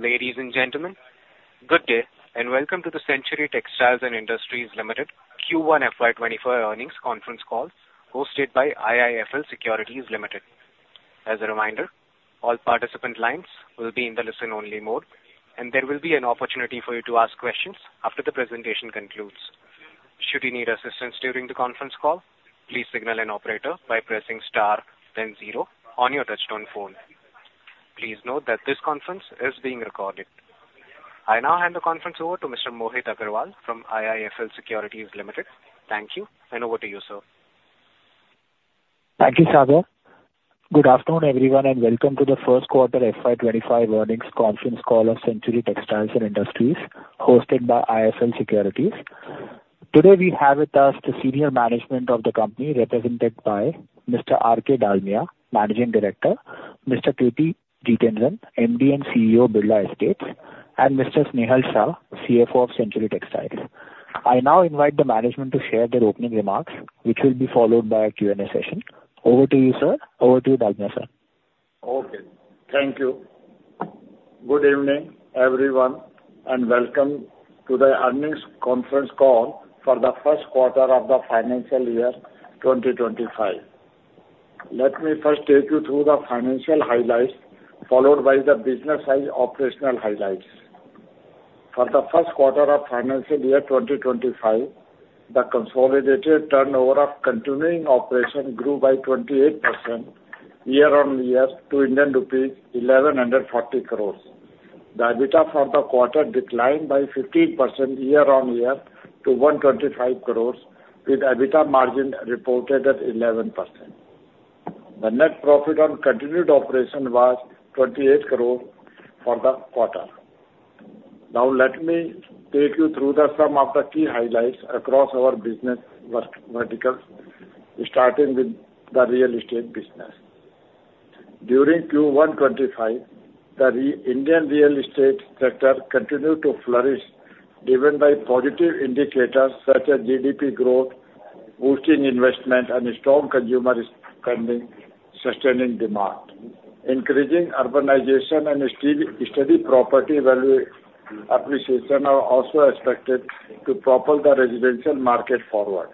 Ladies and gentlemen, good day, and welcome to the Century Textiles and Industries Limited Q1 FY25 earnings conference call, hosted by IIFL Securities Limited. As a reminder, all participant lines will be in the listen-only mode, and there will be an opportunity for you to ask questions after the presentation concludes. Should you need assistance during the conference call, please signal an operator by pressing star then zero on your touchtone phone. Please note that this conference is being recorded. I now hand the conference over to Mr. Mohit Agrawal from IIFL Securities Limited. Thank you, and over to you, sir. Thank you, Sagar. Good afternoon, everyone, and welcome to the first quarter FY 2025 earnings conference call of Century Textiles and Industries, hosted by IIFL Securities. Today, we have with us the senior management of the company, represented by Mr. R.K. Dalmia, Managing Director, Mr. K.T. Jithendran, MD and CEO, Birla Estates, and Mr. Snehal Shah, CFO of Century Textiles. I now invite the management to share their opening remarks, which will be followed by a Q&A session. Over to you, sir. Over to you, Dalmia, sir. Okay, thank you. Good evening, everyone, and welcome to the earnings conference call for the first quarter of the financial year 2025. Let me first take you through the financial highlights, followed by the business and operational highlights. For the first quarter of financial year 2025, the consolidated turnover of continuing operations grew by 28% year-on-year to Indian rupees 1,140 crores. The EBITDA for the quarter declined by 15% year-on-year to 125 crores, with EBITDA margin reported at 11%. The net profit on continued operations was 28 crore for the quarter. Now, let me take you through some of the key highlights across our business verticals, starting with the real estate business. During Q1 2025, the Indian real estate sector continued to flourish, driven by positive indicators such as GDP growth, boosting investment, and strong consumer spending sustaining demand. Increasing urbanization and steady property value appreciation are also expected to propel the residential market forward.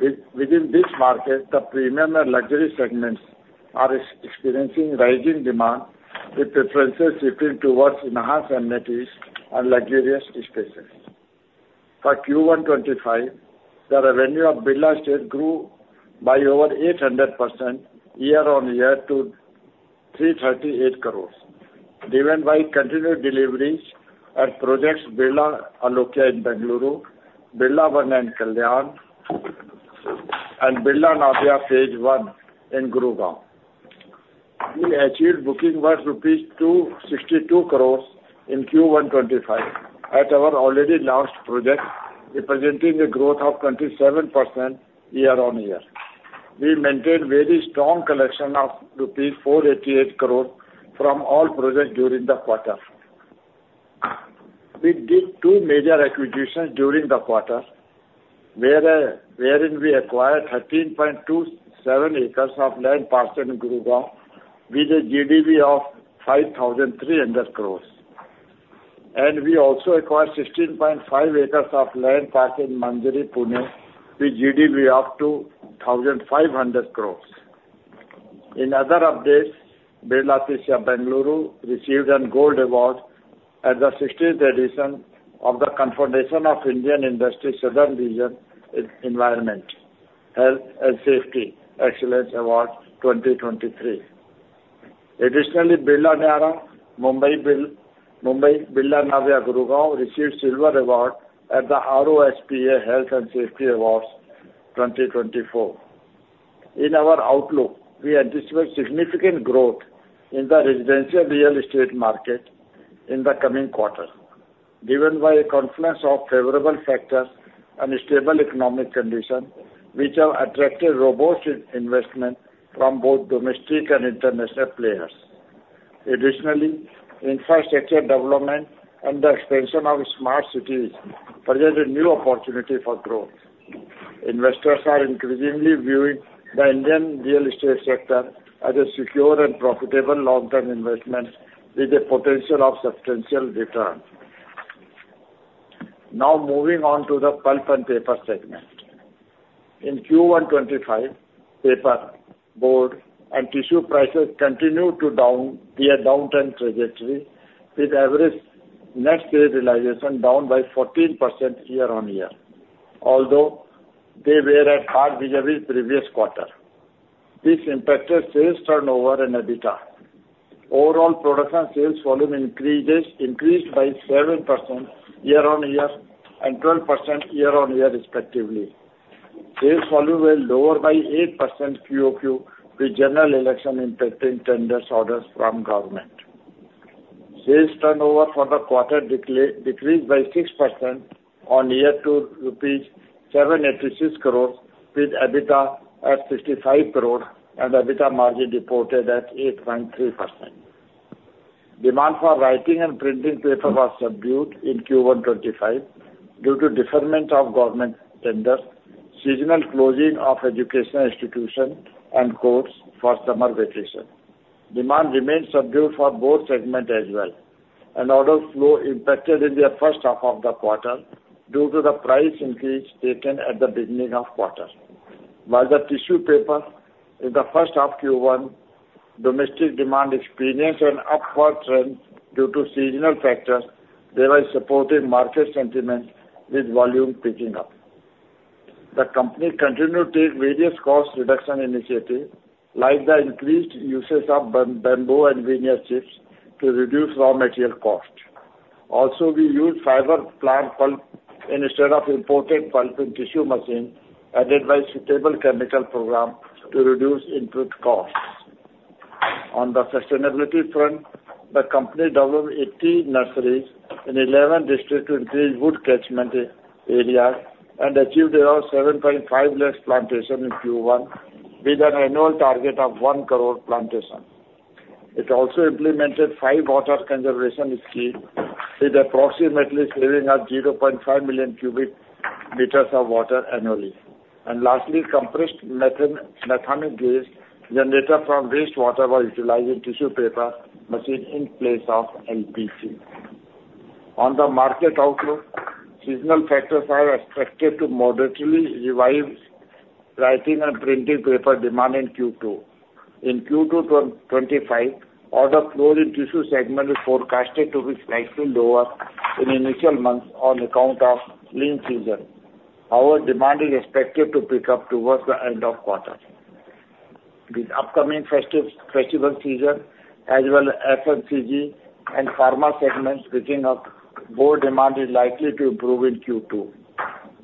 Within this market, the premium and luxury segments are experiencing rising demand, with preferences shifting towards enhanced amenities and luxurious spaces. For Q1 2025, the revenue of Birla Estates grew by over 800% year-on-year to INR 338 crore, driven by continued deliveries at projects Birla Alokya in Bengaluru, Birla Vanya in Kalyan, and Birla Navya phase I in Gurugram. We achieved bookings worth rupees 262 crore in Q1 2025 at our already launched projects, representing a growth of 27% year-on-year. We maintained very strong collection of rupees 488 crore from all projects during the quarter. We did two major acquisitions during the quarter, wherein we acquired 13.27 acres of land parcel in Gurugram with a GDV of 5,300 crore. We also acquired 16.5 acres of land parcel in Manjari, Pune, with GDV up to 1,500 crore. In other updates, Birla Tisya, Bengaluru, received a gold award at the 16th edition of the Confederation of Indian Industry Southern Region Environment, Health and Safety Excellence Award 2023. Additionally, Birla Niyaara, Mumbai, Birla Navya, Gurugram, received silver award at the RoSPA Health and Safety Awards 2024. In our outlook, we anticipate significant growth in the residential real estate market in the coming quarter, driven by a confluence of favorable factors and a stable economic condition, which have attracted robust investment from both domestic and international players. Additionally, infrastructure development and the expansion of smart cities presented new opportunity for growth. Investors are increasingly viewing the Indian real estate sector as a secure and profitable long-term investment, with the potential of substantial return. Now, moving on to the pulp and paper segment. In Q1 2025, paper, board, and tissue prices continued to be a downturn trajectory, with average net sales realization down by 14% year-on-year, although they were at par vis-a-vis previous quarter. This impacted sales turnover and EBITDA. Overall production sales volume increased by 7% year-on-year and 12% year-on-year, respectively. Sales volume was lower by 8% QOQ, with general election impacting tenders orders from government. Sales turnover for the quarter decreased by 6% on year to 786 crores, with EBITDA at 55 crores and EBITDA margin reported at 8.3%. Demand for writing and printing paper was subdued in Q1 2025 due to deferment of government tenders... seasonal closing of educational institution and courts for summer vacation. Demand remains subdued for both segment as well, and order flow impacted in the first half of the quarter due to the price increase taken at the beginning of quarter. While the tissue paper in the first half Q1, domestic demand experienced an upward trend due to seasonal factors, thereby supporting market sentiment with volume picking up. The company continued to take various cost reduction initiatives, like the increased usage of bam- bamboo and veneer chips to reduce raw material cost. Also, we use fiber plant pulp instead of imported pulp and tissue machine, and advise stable chemical program to reduce input costs. On the sustainability front, the company developed 80 nurseries in 11 districts to increase wood catchment areas, and achieved around 7.5 lakh plantation in Q1, with an annual target of 1 crore plantation. It also implemented five water conservation schemes, with approximately saving of 0.5 million cubic meters of water annually. Lastly, compressed methane, biogenic waste generated from wastewater was utilized in tissue paper machine in place of LPG. On the market outlook, seasonal factors are expected to moderately revive writing and printing paper demand in Q2. In Q2 2025, order flow in tissue segment is forecasted to be slightly lower in initial months on account of lean season. Our demand is expected to pick up towards the end of quarter. With upcoming festive festival season, as well as FMCG and pharma segments picking up, board demand is likely to improve in Q2.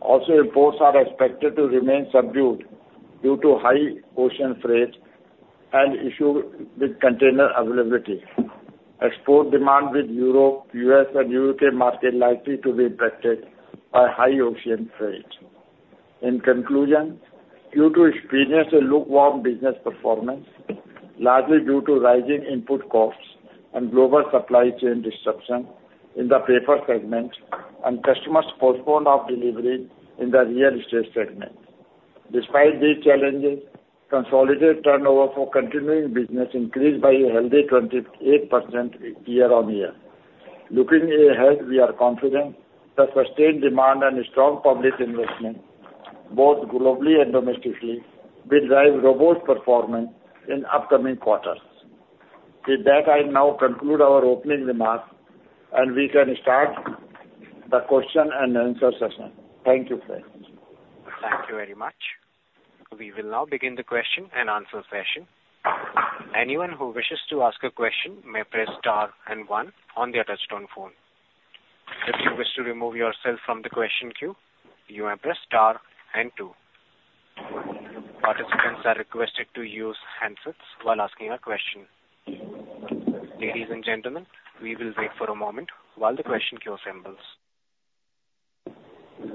Also, imports are expected to remain subdued due to high ocean freight and issue with container availability. Export demand with Europe, U.S. and U.K. market likely to be impacted by high ocean freight. In conclusion, Q2 experienced a lukewarm business performance, largely due to rising input costs and global supply chain disruption in the paper segment, and customers postpone of delivery in the real estate segment. Despite these challenges, consolidated turnover for continuing business increased by a healthy 28% year-on-year. Looking ahead, we are confident the sustained demand and strong public investment, both globally and domestically, will drive robust performance in upcoming quarters. With that, I now conclude our opening remarks, and we can start the question and answer session. Thank you, sir. Thank you very much. We will now begin the question and answer session. Anyone who wishes to ask a question may press star and one on their touchtone phone. If you wish to remove yourself from the question queue, you may press star and two. Participants are requested to use handsets while asking a question. Ladies and gentlemen, we will wait for a moment while the question queue assembles. The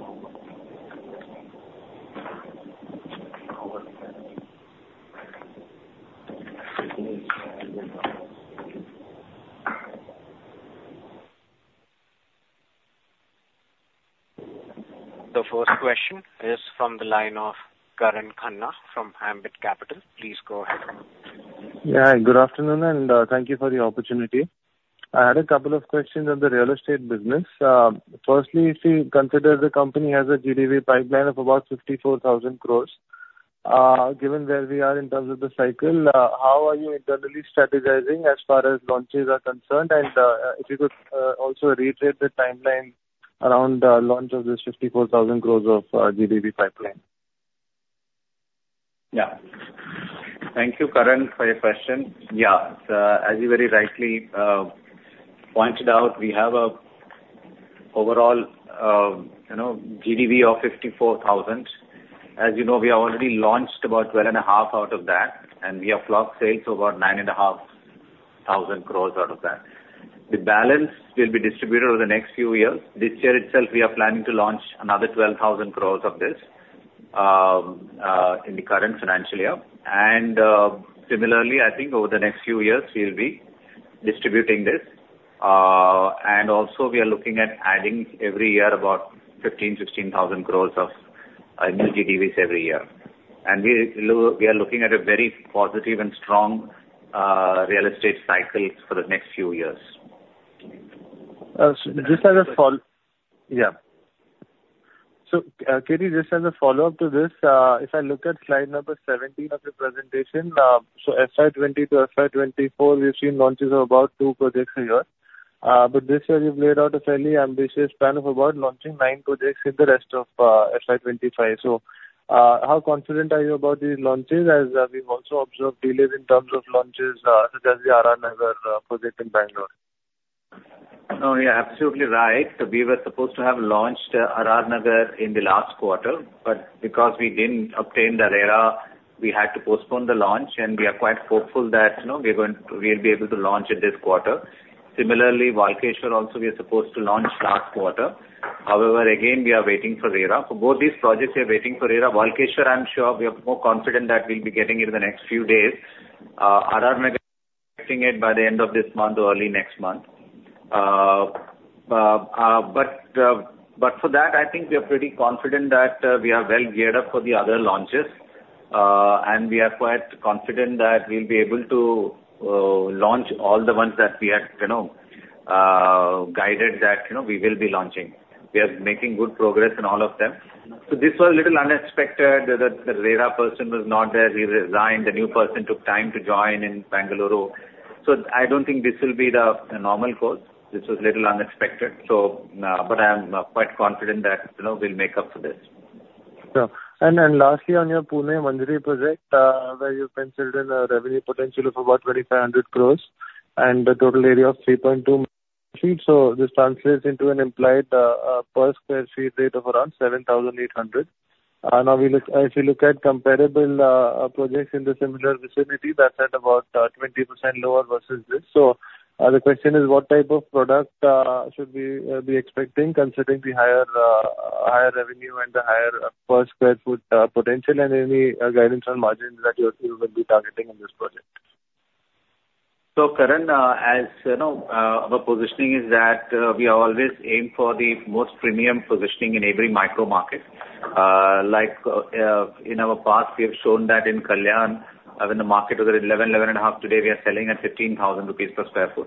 first question is from the line of Karan Khanna from Ambit Capital. Please go ahead. Yeah, good afternoon, and thank you for the opportunity. I had a couple of questions on the real estate business. Firstly, if you consider the company has a GDV pipeline of about 54,000 crore, given where we are in terms of the cycle, how are you internally strategizing as far as launches are concerned? And if you could also reiterate the timeline around the launch of this 54,000 crore of GDV pipeline. Yeah. Thank you, Karan, for your question. Yeah, so as you very rightly pointed out, we have an overall, you know, GDV of 54,000 crore. As you know, we already launched about 12.5 out of that, and we have booked sales of about 9,500 crore out of that. The balance will be distributed over the next few years. This year itself, we are planning to launch another 12,000 crore of this, in the current financial year. And, similarly, I think over the next few years, we will be distributing this. And also we are looking at adding every year about 15,000-16,000 crore of, new GDVs every year. And we are looking at a very positive and strong, real estate cycle for the next few years. Yeah. So, KD, just as a follow-up to this, if I look at slide number 17 of the presentation, so FY 2020 to FY 2024, we've seen launches of about 2 projects a year. But this year you've laid out a fairly ambitious plan of about launching 9 projects in the rest of FY 2025. So, how confident are you about these launches, as we've also observed delays in terms of launches, such as the RR Nagar project in Bangalore? No, you're absolutely right. We were supposed to have launched RR Nagar in the last quarter, but because we didn't obtain the RERA, we had to postpone the launch, and we are quite hopeful that, you know, we're going to- we'll be able to launch in this quarter. Similarly, Walkeshwar also we are supposed to launch last quarter. However, again, we are waiting for RERA. For both these projects, we are waiting for RERA. Walkeshwar, I'm sure we are more confident that we'll be getting it in the next few days. RR Nagar- expecting it by the end of this month or early next month. But for that, I think we are pretty confident that we are well geared up for the other launches, and we are quite confident that we'll be able to launch all the ones that we have, you know, guided that, you know, we will be launching. We are making good progress in all of them. So this was a little unexpected that the RERA person was not there. He resigned. The new person took time to join in Bengaluru. So I don't think this will be the normal course. This was a little unexpected, so but I am quite confident that, you know, we'll make up for this. Sure. And, and lastly, on your Pune Manjari project, where you've considered a revenue potential of about 2,500 crore and the total area of 3.2 million sq ft. So this translates into an implied per sq ft rate of around 7,800. And now we look, as you look at comparable projects in the similar vicinity, that's at about 20% lower versus this. So, the question is, what type of product should we be expecting, considering the higher revenue and the higher per sq ft potential, and any guidance on margins that you feel will be targeting on this project? So, Karan, as you know, our positioning is that we always aim for the most premium positioning in every micro market. Like, in our past, we have shown that in Kalyan, when the market was at 11, 11.5, today, we are selling at 15,000 rupees per sq ft.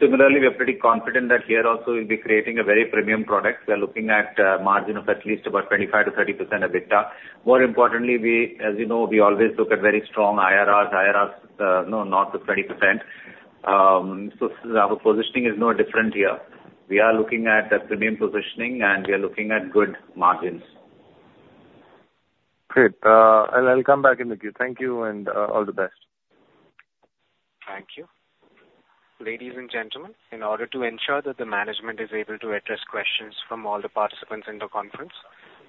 Similarly, we are pretty confident that here also we'll be creating a very premium product. We are looking at margin of at least about 25%-30% EBITDA. More importantly, we, as you know, we always look at very strong IRRs. IRRs, you know, north of 20%. So our positioning is no different here. We are looking at a premium positioning, and we are looking at good margins. Great. I'll, I'll come back in with you. Thank you, and all the best. Thank you. Ladies and gentlemen, in order to ensure that the management is able to address questions from all the participants in the conference,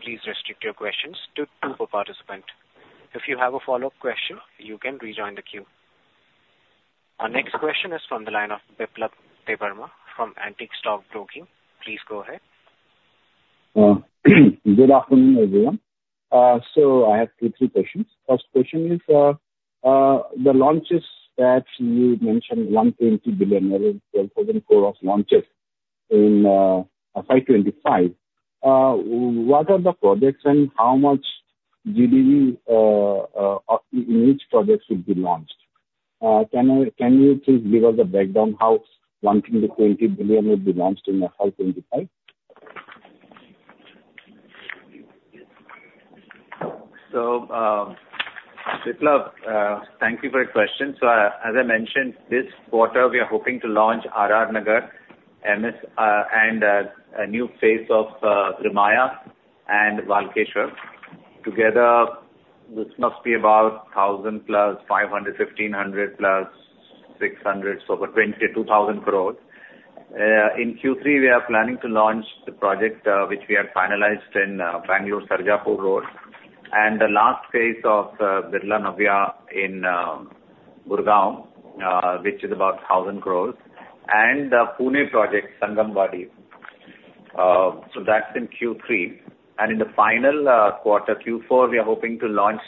please restrict your questions to two per participant. If you have a follow-up question, you can rejoin the queue. Our next question is from the line of Biplab Debbarma from Antique Stock Broking. Please go ahead. Good afternoon, everyone. So I have two, three questions. First question is, the launches that you mentioned, 1 billion-2 billion, 12,000-14,000 of launches in FY 2025, what are the projects and how much GDV in each project should be launched? Can you please give us a breakdown how 1 billion-2 billion will be launched in FY 2025? So, Biplab, thank you for your question. So, as I mentioned, this quarter, we are hoping to launch RR Nagar, and this, and a new phase of Trimaya and Walkeshwar. Together, this must be about 1,000 plus 500, 1,500 plus 600, so about 22,000 crore. In Q3, we are planning to launch the project, which we have finalized in Bangalore, Sarjapur Road, and the last phase of Birla Navya in Gurgaon, which is about 1,000 crore, and the Pune project, Sangamwadi. So that's in Q3. And in the final quarter, Q4, we are hoping to launch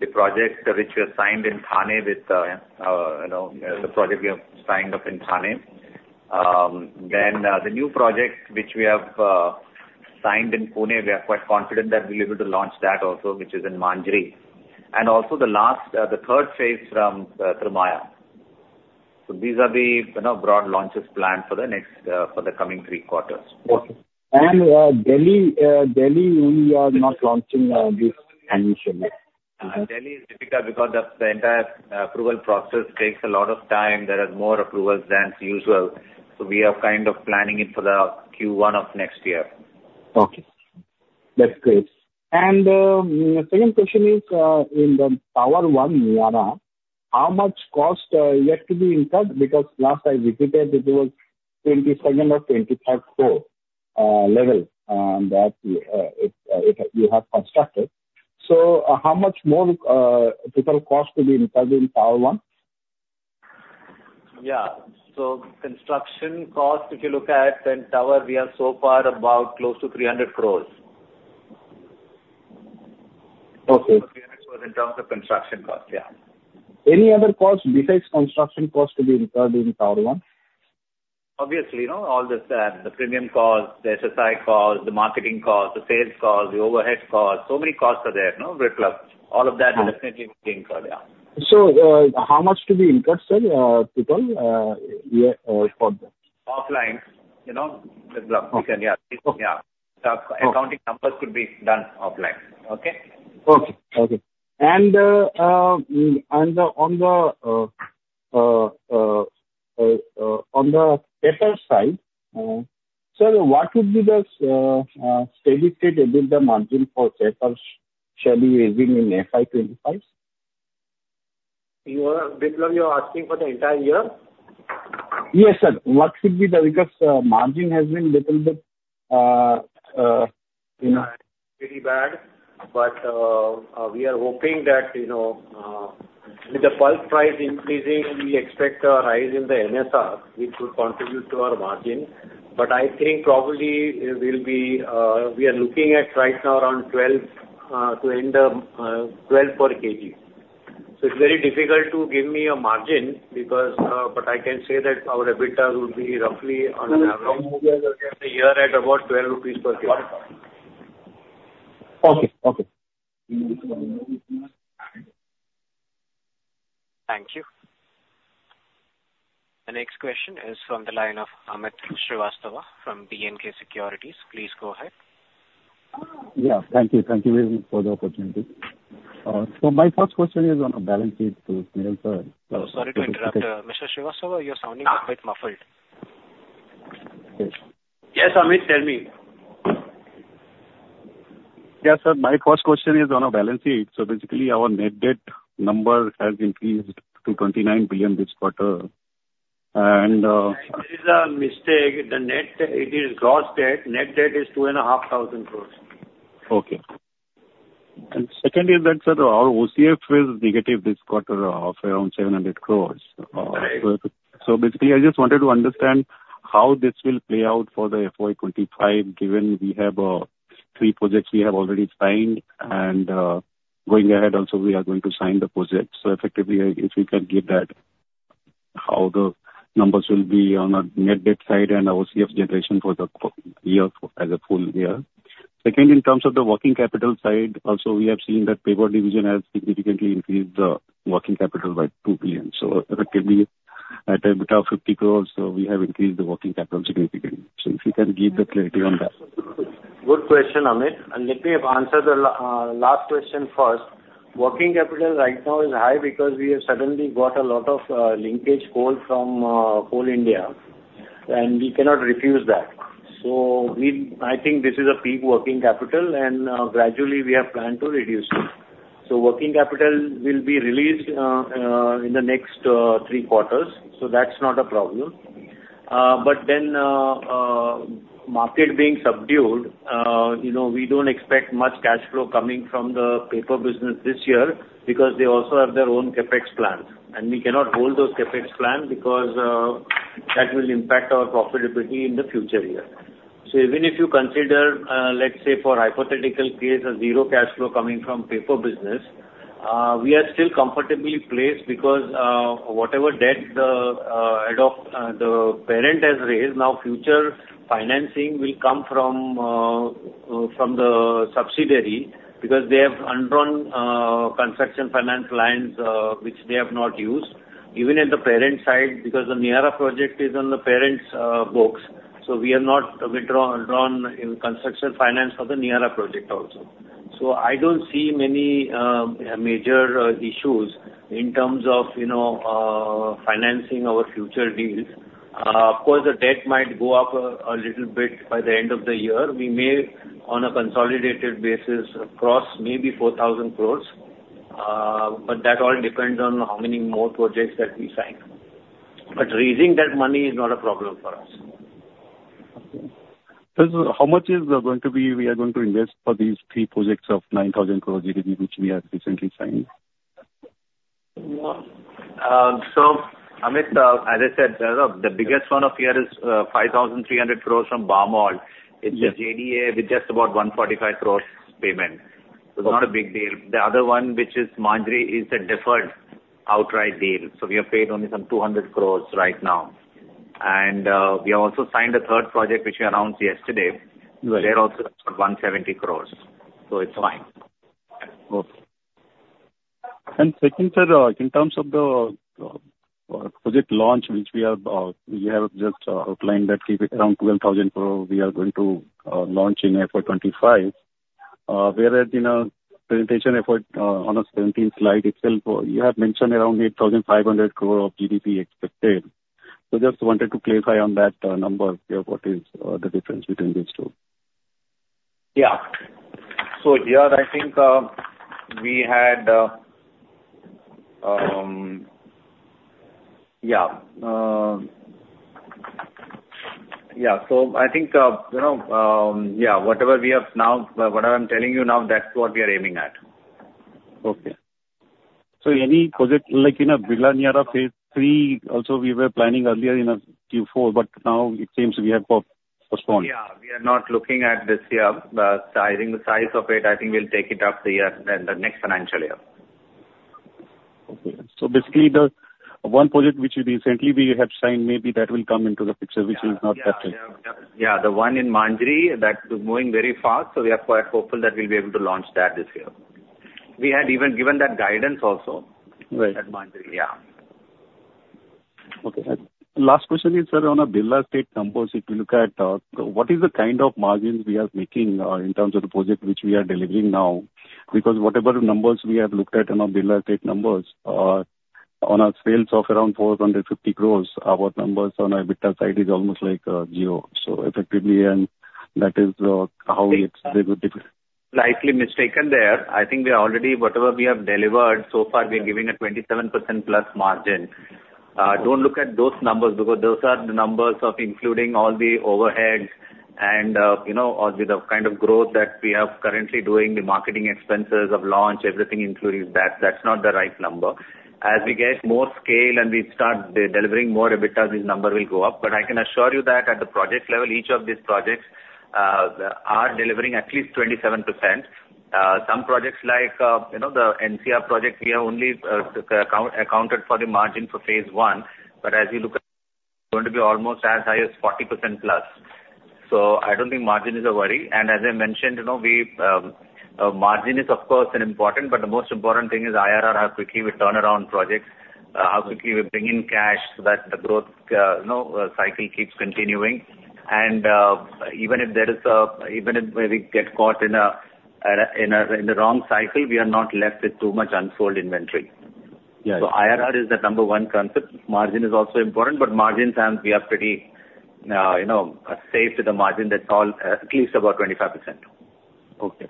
the project which we have signed in Thane with, you know, the project we have signed up in Thane. Then, the new project which we have signed in Pune, we are quite confident that we'll be able to launch that also, which is in Manjari. And also the last, the third phase from Trimaya. So these are the, you know, broad launches planned for the coming three quarters. Okay. And Delhi, Delhi, we are not launching this initially? Delhi is difficult because the entire approval process takes a lot of time. There are more approvals than usual, so we are kind of planning it for the Q1 of next year. Okay. That's great. And, second question is, in the Tower One, Niyaara, how much cost yet to be incurred? Because last I visited, it was 22nd or 23rd floor level that you have constructed. So how much more total cost to be incurred in Tower One? Yeah. So construction cost, if you look at the tower, we are so far about close to 300 crore. Okay. 300 crore in terms of construction cost, yeah. Any other costs besides construction cost to be incurred in Tower One? Obviously, you know, all the premium costs, the FSI costs, the marketing costs, the sales costs, the overhead costs. So many costs are there, you know, Biplab. All of that will definitely be incurred, yeah. How much to be incurred, sir, total, year, for that? Offline, you know, Biplab. Okay. Yeah. Yeah. Okay. The accounting numbers could be done offline. Okay? Okay. Okay. And, and on the paper side, sir, what would be the steady-state EBITDA margin for paper shall be raising in FY 25? You, Biplab, you are asking for the entire year? Yes, sir. What should be the... Because, margin has been little bit, you know- Pretty bad, but we are hoping that, you know, with the pulp price increasing, we expect a rise in the NSR, which would contribute to our margin. But I think probably it will be, we are looking at right now around 10-12 per kg. So it's very difficult to give me a margin because, but I can say that our EBITDA will be roughly on an average, maybe a year at about INR 12 per kilo. Okay. Okay. Thank you. The next question is from the line of Amit Srivastava from BNK Securities. Please go ahead. Yeah, thank you. Thank you very much for the opportunity. So my first question is on the balance sheet to Sunil, sir. Sorry to interrupt, Mr. Srivastava, you're sounding quite muffled. Yes, Amit, tell me. Yeah, sir, my first question is on a balance sheet. So basically, our net debt number has increased to 29 billion this quarter. And, It is a mistake. The net, it is gross debt. Net debt is 2,500 crore. Okay. And second is that, sir, our OCF is negative this quarter of around 700 crore. Right. So basically, I just wanted to understand how this will play out for the FY 25, given we have three projects we have already signed, and going ahead also, we are going to sign the project. So effectively, if you can give that, how the numbers will be on a net debt side and our OCF generation for the year, as a full year. Second, in terms of the working capital side, also, we have seen that paper division has significantly increased the working capital by 2 billion. So effectively, at EBITDA 50 crores, so we have increased the working capital significantly. So if you can give the clarity on that. Good question, Amit, and let me answer the last question first. Working capital right now is high because we have suddenly got a lot of linkage coal from Coal India, and we cannot refuse that. So I think this is a peak working capital, and gradually we have planned to reduce it. So working capital will be released in the next three quarters, so that's not a problem. But then market being subdued, you know, we don't expect much cash flow coming from the paper business this year because they also have their own CapEx plans, and we cannot hold those CapEx plans because that will impact our profitability in the future year. So even if you consider, let's say, for hypothetical case, a zero cash flow coming from paper business, we are still comfortably placed because, whatever debt the parent has raised, now future financing will come from the subsidiary because they have undrawn construction finance lines, which they have not used, even in the parent side, because the Niyaara project is on the parent's books, so we are not drawn in construction finance for the Niyaara project also. So I don't see many major issues in terms of, you know, financing our future deals. Of course, the debt might go up a little bit by the end of the year. We may, on a consolidated basis, cross maybe 4,000 crore, but that all depends on how many more projects that we sign. But raising that money is not a problem for us. Okay. So how much is going to be, we are going to invest for these 3 projects of 9,000 crore GDV, which we have recently signed? So, Amit, as I said, the biggest one of here is 5,300 crore from Barmalt. Yes. It's a JDA with just about 145 crore payment. So it's not a big deal. The other one, which is Manjari, is a deferred outright deal. So we have paid only some 200 crore right now. And, we have also signed a third project, which we announced yesterday. There also 170 crore, so it's fine. Okay. Second, sir, in terms of the project launch, which we are, we have just outlined that around 12,000 crore, we are going to launch in FY 2025. Whereas in a presentation effort, on the 17th slide itself, you have mentioned around 8,500 crore of GDV expected. So just wanted to clarify on that number, what is the difference between these two? Yeah. So, yeah, I think we had. Yeah, yeah. So I think, you know, yeah, whatever we have now, whatever I'm telling you now, that's what we are aiming at. Okay. So any project, like in a Birla Niyaara phase three, also, we were planning earlier in a Q4, but now it seems we have postponed. Yeah. We are not looking at this year. The sizing, the size of it, I think we'll take it up the year, in the next financial year. Okay. So basically, the one project which recently we have signed, maybe that will come into the picture, which is not that- Yeah, yeah. Yeah, the one in Manjari, that is moving very fast, so we are quite hopeful that we'll be able to launch that this year. We had even given that guidance also. Right. At Manjari, yeah. Okay. Last question is, sir, on Birla Estates numbers, if you look at what is the kind of margins we are making in terms of the project which we are delivering now? Because whatever numbers we have looked at in our Birla Estates numbers, on our sales of around 450 crore, our numbers on EBITDA side is almost like zero. So effectively, and that is how it's, the- Slightly mistaken there. I think we are already, whatever we have delivered so far, we are giving a 27%+ margin. Don't look at those numbers, because those are the numbers of including all the overheads and, you know, or with the kind of growth that we have currently doing, the marketing expenses of launch, everything, including that, that's not the right number. As we get more scale and we start delivering more EBITDA, this number will go up. But I can assure you that at the project level, each of these projects are delivering at least 27%. Some projects like, you know, the NCR project, we have only accounted for the margin for phase one, but as you look at, going to be almost as high as 40%+. So I don't think margin is a worry. And as I mentioned, you know, we, margin is of course an important, but the most important thing is IRR, how quickly we turn around projects, how quickly we bring in cash so that the growth, you know, cycle keeps continuing. And, even if we get caught in the wrong cycle, we are not left with too much unsold inventory. Yeah. IRR is the number 1 concept. Margin is also important, but margin times we are pretty, you know, safe with the margin. That's all, at least about 25%. Okay. Okay.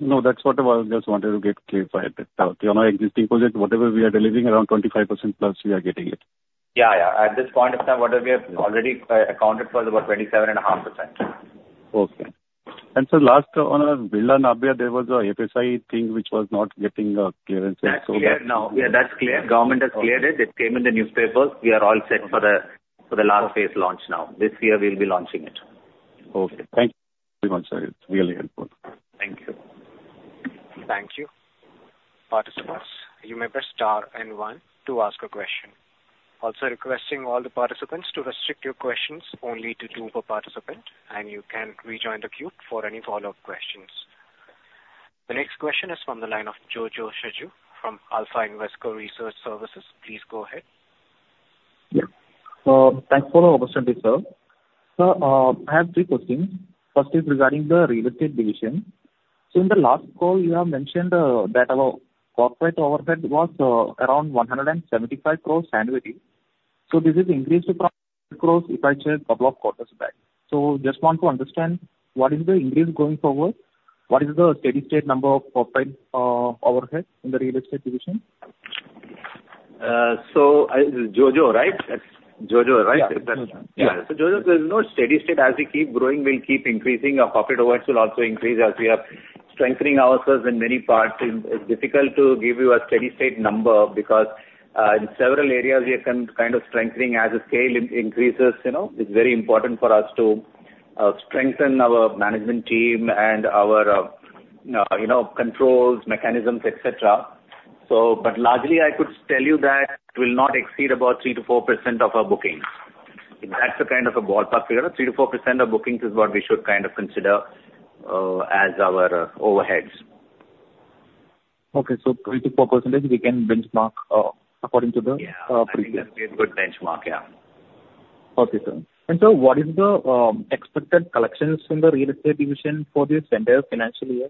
No, that's what I just wanted to get clarified. On our existing project, whatever we are delivering, around 25% plus, we are getting it. Yeah, yeah. At this point in time, what we have already accounted for is about 27.5%. Okay. And so last on our Birla Navya, there was a FSI thing which was not getting clearance and so- That's clear now. Yeah, that's clear. Government has cleared it. It came in the newspaper. We are all set for the last phase launch now. This year, we'll be launching it. Okay. Thank you very much, sir. It's really helpful. Thank you. Thank you. Participants, you may press star and one to ask a question. Also requesting all the participants to restrict your questions only to two per participant, and you can rejoin the queue for any follow-up questions. The next question is from the line of Jojo Shaju, from Alpha Investor Research Services. Please go ahead. Yeah. Thanks for the opportunity, sir. Sir, I have 3 questions. First is regarding the real estate division. So in the last call, you have mentioned, that our corporate overhead was, around 175 crore annually. So this is increased to crores, if I check couple of quarters back. So just want to understand, what is the increase going forward? What is the steady state number of corporate, overhead in the real estate division? So Jojo, right? It's Jojo, right? Yeah. Yeah. So Jojo, there's no steady state. As we keep growing, we'll keep increasing. Our corporate overheads will also increase as we are strengthening ourselves in many parts. It's difficult to give you a steady state number because in several areas we are kind of strengthening. As the scale increases, you know, it's very important for us to strengthen our management team and our, you know, controls, mechanisms, et cetera. So but largely, I could tell you that it will not exceed about 3%-4% of our bookings. That's the kind of a ballpark figure. 3%-4% of bookings is what we should kind of consider as our overheads. Okay. So 3%-4%, we can benchmark, according to the- Yeah. -uh, previous. I think that's a good benchmark, yeah. Okay, sir. And sir, what is the expected collections from the real estate division for this entire financial year?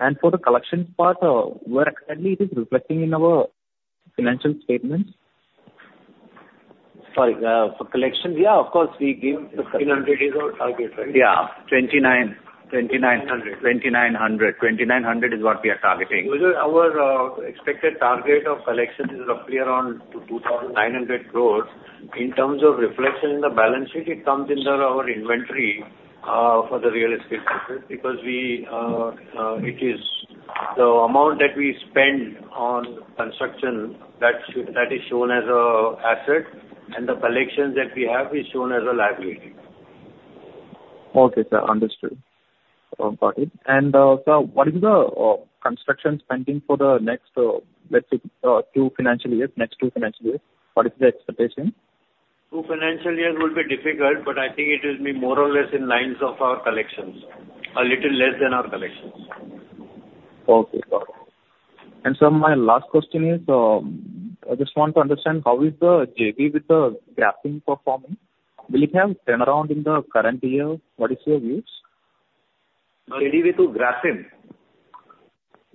And for the collections part, where exactly it is reflecting in our financial statements? Sorry, for collection, yeah, of course, we gave the- 2,900 is our target, right? Yeah. 29, 29- Hundred. 2,900. 2,900 is what we are targeting. Jojo, our expected target of collections is roughly around 2,900 crore. In terms of reflection in the balance sheet, it comes under our inventory for the real estate sector, because it is the amount that we spend on construction that is shown as a asset, and the collections that we have is shown as a liability. Okay, sir. Understood about it. Sir, what is the construction spending for the next, let's say, two financial years, next two financial years? What is the expectation? Two financial years will be difficult, but I think it will be more or less in line with our collections. A little less than our collections. Okay, sir. And sir, my last question is, I just want to understand how is the JV with the Grasim performing? Will it have turnaround in the current year? What is your views? JV with Grasim?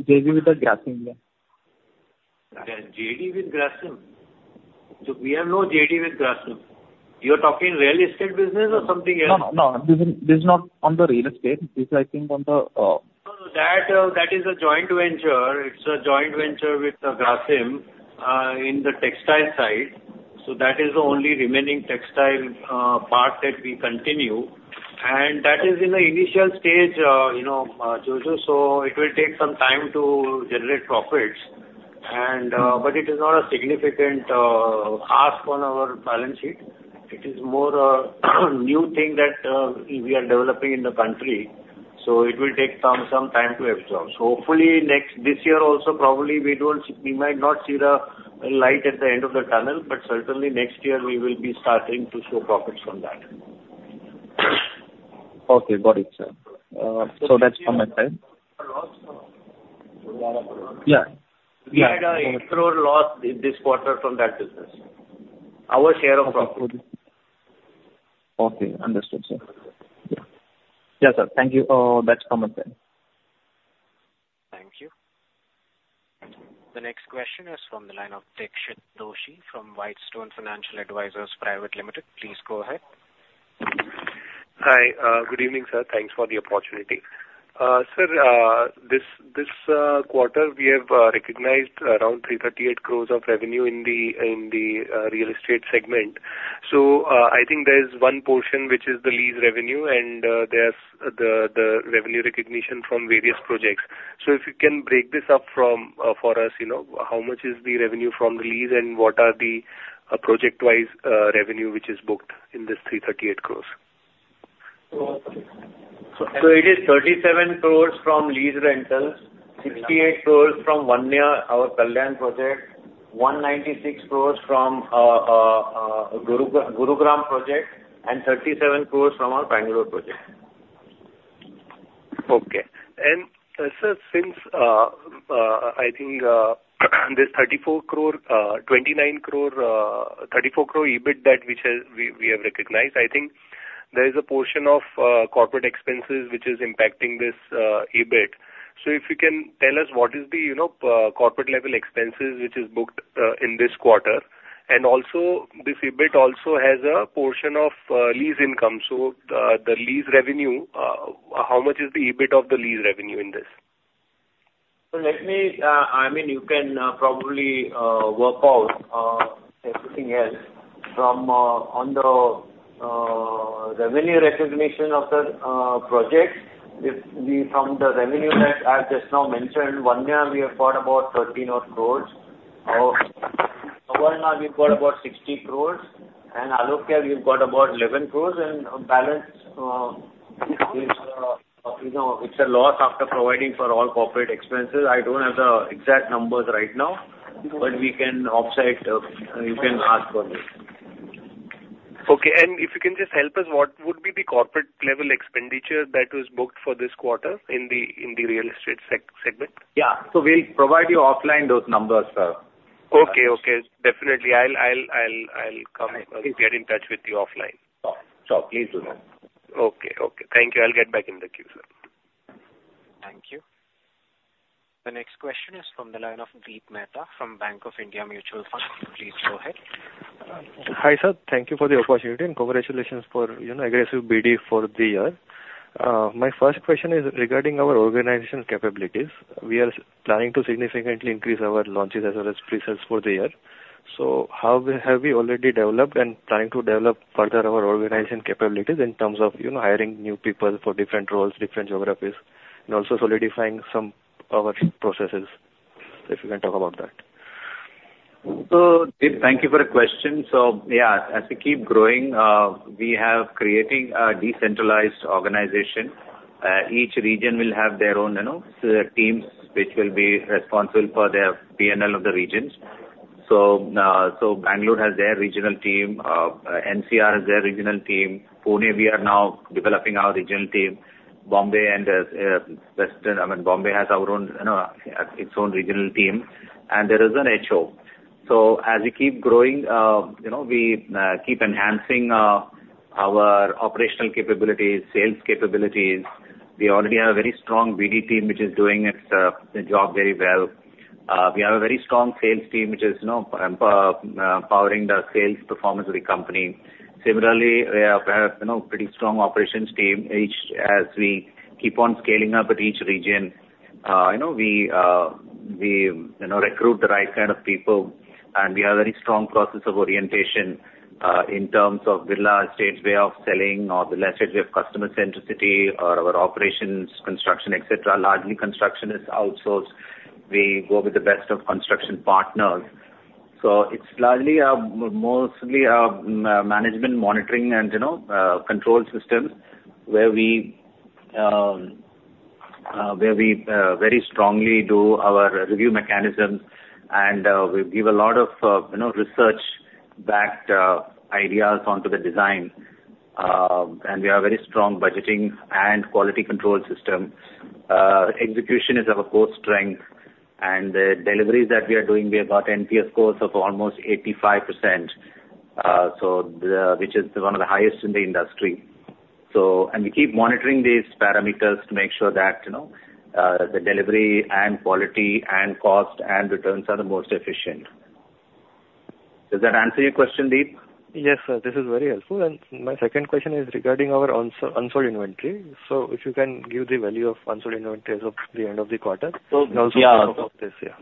JV with the Grasim, yeah. JV with Grasim? We have no JV with Grasim. You're talking real estate business or something else? No, no, no. This is, this is not on the real estate. This is, I think, on the... No, no, that is a joint venture. It's a joint venture with Grasim in the textile side. So that is the only remaining textile part that we continue, and that is in the initial stage, you know, Jojo, so it will take some time to generate profits. And, but it is not a significant ask on our balance sheet. It is more a new thing that we are developing in the country, so it will take some time to absorb. So hopefully next... This year also, probably we might not see the light at the end of the tunnel, but certainly next year we will be starting to show profits from that. Okay, got it, sir. So that's from my side. Yeah. Yeah. We had a gross loss this quarter from that business. Our share of profit. Okay, understood, sir. Yeah. Yeah, sir. Thank you. That's from my side. Thank you. The next question is from the line of Dixit Doshi from Whitestone Financial Advisors Private Limited. Please go ahead. Hi. Good evening, sir. Thanks for the opportunity. Sir, this quarter, we have recognized around 338 crore of revenue in the real estate segment. So, I think there is one portion which is the lease revenue, and there's the revenue recognition from various projects. So if you can break this up for us, you know, how much is the revenue from the lease, and what are the project-wise revenue which is booked in this 338 crore?... So it is 37 crore from lease rentals, 68 crore from Vanya, our Kalyan project, 196 crore from Gurugram project, and 37 crore from our Bengaluru project. Okay. And, sir, since I think this 34 crore, 29 crore, 34 crore EBIT that which has—we, we have recognized, I think there is a portion of corporate expenses which is impacting this EBIT. So if you can tell us what is the, you know, corporate level expenses which is booked in this quarter? And also, this EBIT also has a portion of lease income. So, the lease revenue, how much is the EBIT of the lease revenue in this? So let me, I mean, you can probably work out everything else from on the revenue recognition of the projects. If we from the revenue that I've just now mentioned, Vanya, we have got about 13 odd crores. Overall, we've got about 60 crores, and Alokya, we've got about 11 crores, and our balance is, you know, it's a loss after providing for all corporate expenses. I don't have the exact numbers right now, but we can offsite, you can ask for it. Okay. And if you can just help us, what would be the corporate level expenditure that was booked for this quarter in the real estate segment? Yeah. So we'll provide you offline those numbers, sir. Okay, okay. Definitely, I'll come- Right. Get in touch with you offline. Sure. Sure, please do that. Okay, okay. Thank you. I'll get back in the queue, sir. Thank you. The next question is from the line of Deep Mehta from Bank of India Mutual Fund. Please go ahead. Hi, sir. Thank you for the opportunity, and congratulations for, you know, aggressive BD for the year. My first question is regarding our organizational capabilities. We are planning to significantly increase our launches as well as pre-sales for the year. So how have we already developed and planning to develop further our organizational capabilities in terms of, you know, hiring new people for different roles, different geographies, and also solidifying some of our processes, if you can talk about that. So, Deep, thank you for the question. So, yeah, as we keep growing, we are creating a decentralized organization. Each region will have their own, you know, teams, which will be responsible for their PNL of the regions. So, so Bangalore has their regional team, NCR has their regional team. Pune, we are now developing our regional team. Bombay and, western, I mean, Bombay has our own, you know, its own regional team, and there is an HO. So as we keep growing, you know, we, keep enhancing, our operational capabilities, sales capabilities. We already have a very strong BD team, which is doing its, the job very well. We have a very strong sales team, which is, you know, powering the sales performance of the company. Similarly, we have, you know, pretty strong operations team. Each—as we keep on scaling up at each region, you know, we, we, you know, recruit the right kind of people, and we have a very strong process of orientation, in terms of Birla Estates' way of selling or the Birla way of customer centricity or our operations, construction, et cetera. Largely, construction is outsourced. We go with the best of construction partners. So it's largely, mostly, management, monitoring, and, you know, control systems, where we very strongly do our review mechanisms, and we give a lot of, you know, research-backed ideas onto the design. And we have very strong budgeting and quality control system. Execution is our core strength, and the deliveries that we are doing, we have got NPS scores of almost 85%, which is one of the highest in the industry. So, we keep monitoring these parameters to make sure that, you know, the delivery and quality and cost and returns are the most efficient. Does that answer your question, Deep? Yes, sir, this is very helpful. My second question is regarding our unsold inventory. If you can give the value of unsold inventory as of the end of the quarter- So, yeah. Also about this, yeah.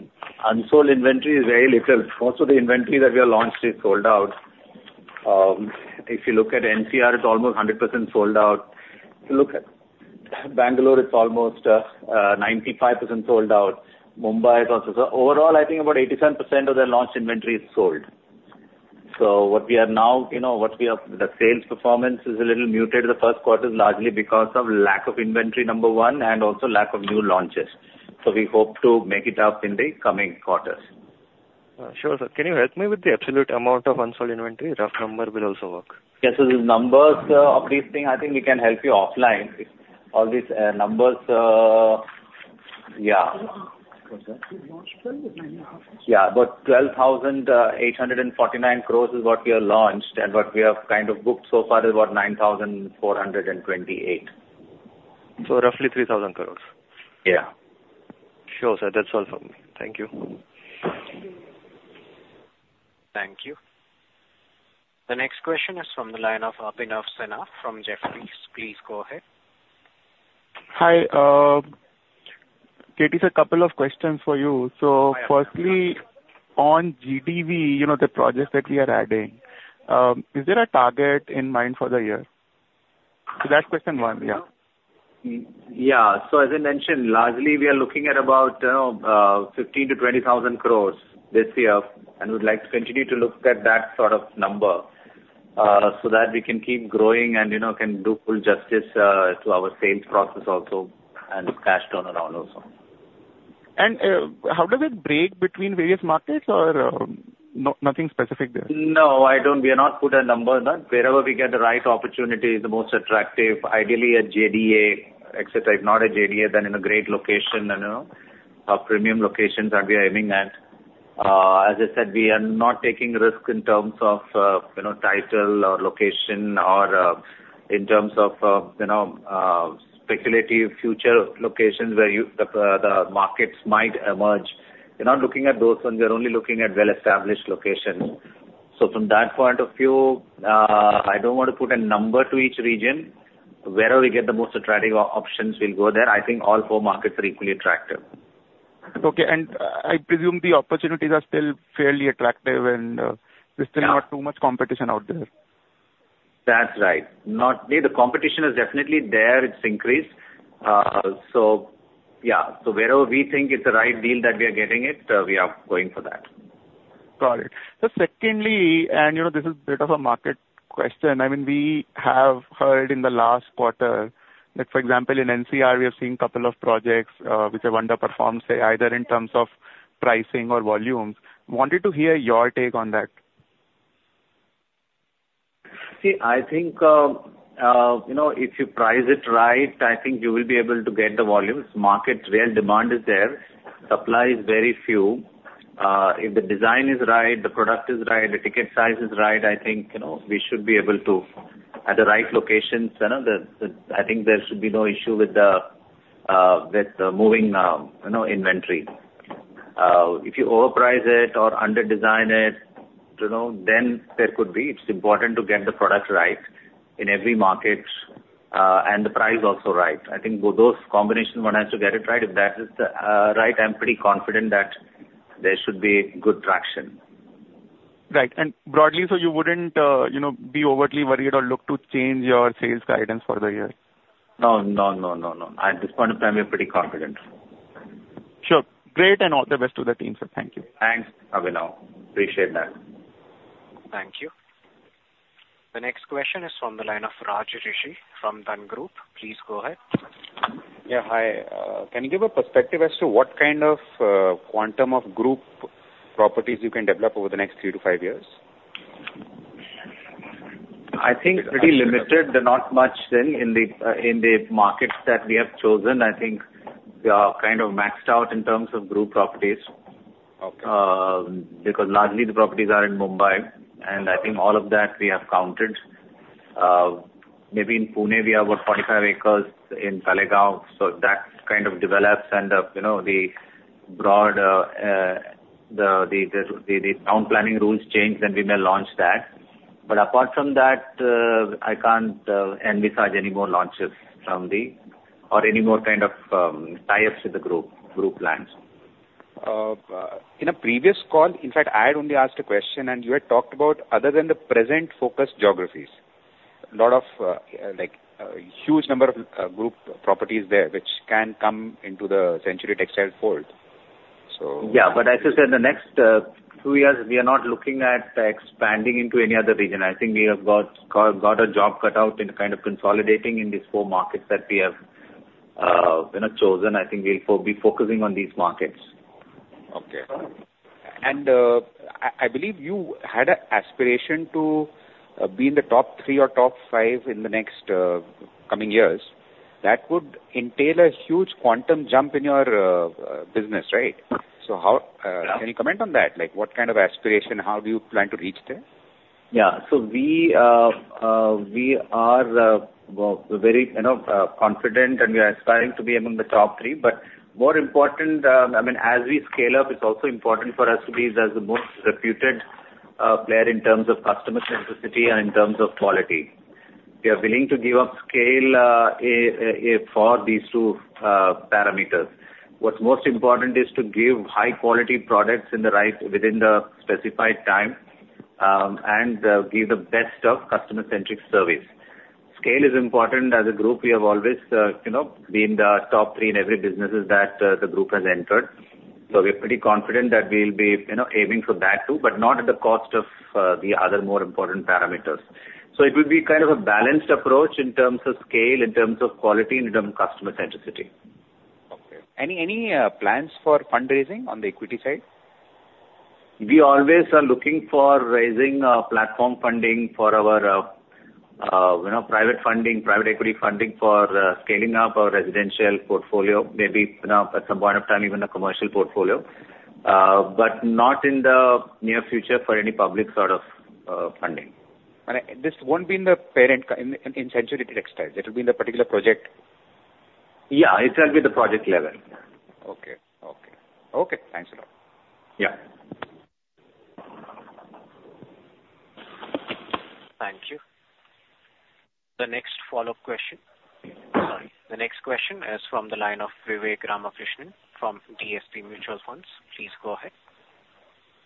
Unsold inventory is very little. Most of the inventory that we have launched is sold out. If you look at NCR, it's almost 100% sold out. If you look at Bangalore, it's almost 95% sold out. Mumbai is also... So overall, I think about 87% of the launch inventory is sold. So what we are now, you know, what we have, the sales performance is a little muted in the first quarter, largely because of lack of inventory, number one, and also lack of new launches. So we hope to make it up in the coming quarters. Sure, sir. Can you help me with the absolute amount of unsold inventory? Rough number will also work. Yes. So the numbers of this thing, I think we can help you offline. All these numbers... Yeah. ... Yeah, but 12,849 crore is what we have launched, and what we have kind of booked so far is about 9,428. Roughly 3,000 crore? Yeah. Sure, sir. That's all from me. Thank you. Thank you. The next question is from the line of Abhinav Sinha from Jefferies. Please go ahead. Hi, KT, a couple of questions for you. So firstly, on GDV, you know, the projects that we are adding, is there a target in mind for the year? So that's question one, yeah.... Yeah. So as I mentioned, largely, we are looking at about, 15,000-20,000 crore INR this year, and we'd like to continue to look at that sort of number, so that we can keep growing and, you know, can do full justice, to our sales process also and cash turnaround also. How does it break between various markets or, nothing specific there? No, I don't. We have not put a number, but wherever we get the right opportunity, the most attractive, ideally a JDA, et cetera. If not a JDA, then in a great location, you know, premium locations that we are aiming at. As I said, we are not taking risk in terms of, you know, title or location or, in terms of, you know, speculative future locations where you, the markets might emerge. We're not looking at those ones. We are only looking at well-established locations. So from that point of view, I don't want to put a number to each region. Wherever we get the most attractive options, we'll go there. I think all four markets are equally attractive. Okay. I presume the opportunities are still fairly attractive, and Yeah... there's still not too much competition out there. That's right. Not... The competition is definitely there. It's increased. So yeah. So wherever we think it's the right deal that we are getting it, we are going for that. Got it. So secondly, and, you know, this is bit of a market question. I mean, we have heard in the last quarter that, for example, in NCR, we have seen couple of projects, which have underperformed, say, either in terms of pricing or volumes. Wanted to hear your take on that. See, I think, you know, if you price it right, I think you will be able to get the volumes. Market, real demand is there. Supply is very few. If the design is right, the product is right, the ticket size is right, I think, you know, we should be able to at the right locations, you know, I think there should be no issue with the, with, moving, you know, inventory. If you overprice it or underdesign it, you know, then there could be. It's important to get the product right in every market, and the price also right. I think those combinations one has to get it right. If that is right, I'm pretty confident that there should be good traction. Right. And broadly, so you wouldn't, you know, be overly worried or look to change your sales guidance for the year? No, no, no, no, no. At this point of time, we're pretty confident. Sure. Great, and all the best to the team, sir. Thank you. Thanks, Abhinav. Appreciate that. Thank you. The next question is from the line of Raj Rishi from Dhan Group. Please go ahead. Yeah, hi. Can you give a perspective as to what kind of quantum of group properties you can develop over the next 3-5 years? I think pretty limited, but not much then in the, in the markets that we have chosen. I think we are kind of maxed out in terms of group properties. Okay. Because largely the properties are in Mumbai, and I think all of that we have counted. Maybe in Pune we have about 45 acres in Talegaon, so that kind of develops. And, you know, the broad town planning rules change, then we may launch that. But apart from that, I can't envisage any more launches from the or any more kind of tie-ups with the group group lands. In a previous call, in fact, I had only asked a question, and you had talked about other than the present focused geographies. A lot of, like, huge number of group properties there, which can come into the Century Textiles fold. So- Yeah, but as I said, in the next two years, we are not looking at expanding into any other region. I think we have got a job cut out in kind of consolidating in these four markets that we have, you know, chosen. I think we'll be focusing on these markets. Okay. And, I, I believe you had an aspiration to be in the top three or top five in the next coming years. That would entail a huge quantum jump in your business, right? So how Yeah. Can you comment on that? Like, what kind of aspiration, how do you plan to reach there? Yeah. So we are very, you know, confident, and we are aspiring to be among the top three. But more important, I mean, as we scale up, it's also important for us to be the most reputed player in terms of customer centricity and in terms of quality. We are willing to give up scale, if for these two parameters. What's most important is to give high quality products in the right, within the specified time, and give the best of customer-centric service. Scale is important. As a group, we have always, you know, been the top three in every businesses that the group has entered. So we're pretty confident that we'll be, you know, aiming for that, too, but not at the cost of the other more important parameters. It will be kind of a balanced approach in terms of scale, in terms of quality, and in terms of customer centricity. Okay. Any plans for fundraising on the equity side? We always are looking for raising platform funding for our, you know, private funding, private equity funding for scaling up our residential portfolio. Maybe, you know, at some point of time, even the commercial portfolio, but not in the near future for any public sort of funding. This won't be in the parent, in Century Textiles. It will be in the particular project? Yeah, it will be the project level. Okay. Okay. Okay, thanks a lot. Yeah. Thank you. The next follow-up question... Sorry, the next question is from the line of Vivek Ramakrishnan from DSP Mutual Funds. Please go ahead....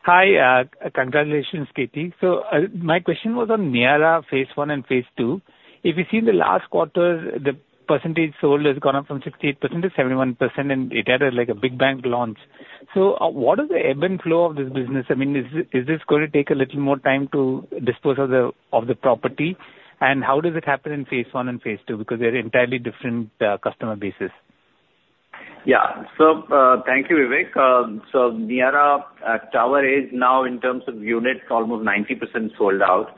Hi, congratulations, Kirti. So, my question was on Niyaara phase one and phase two. If you see in the last quarter, the percentage sold has gone up from 68% to 71%, and it had, like, a big bang launch. So, what is the ebb and flow of this business? I mean, is, is this going to take a little more time to dispose of the, of the property? And how does it happen in phase one and phase two, because they're entirely different, customer bases. Yeah. So, thank you, Vivek. So Niyaara tower is now, in terms of units, almost 90% sold out.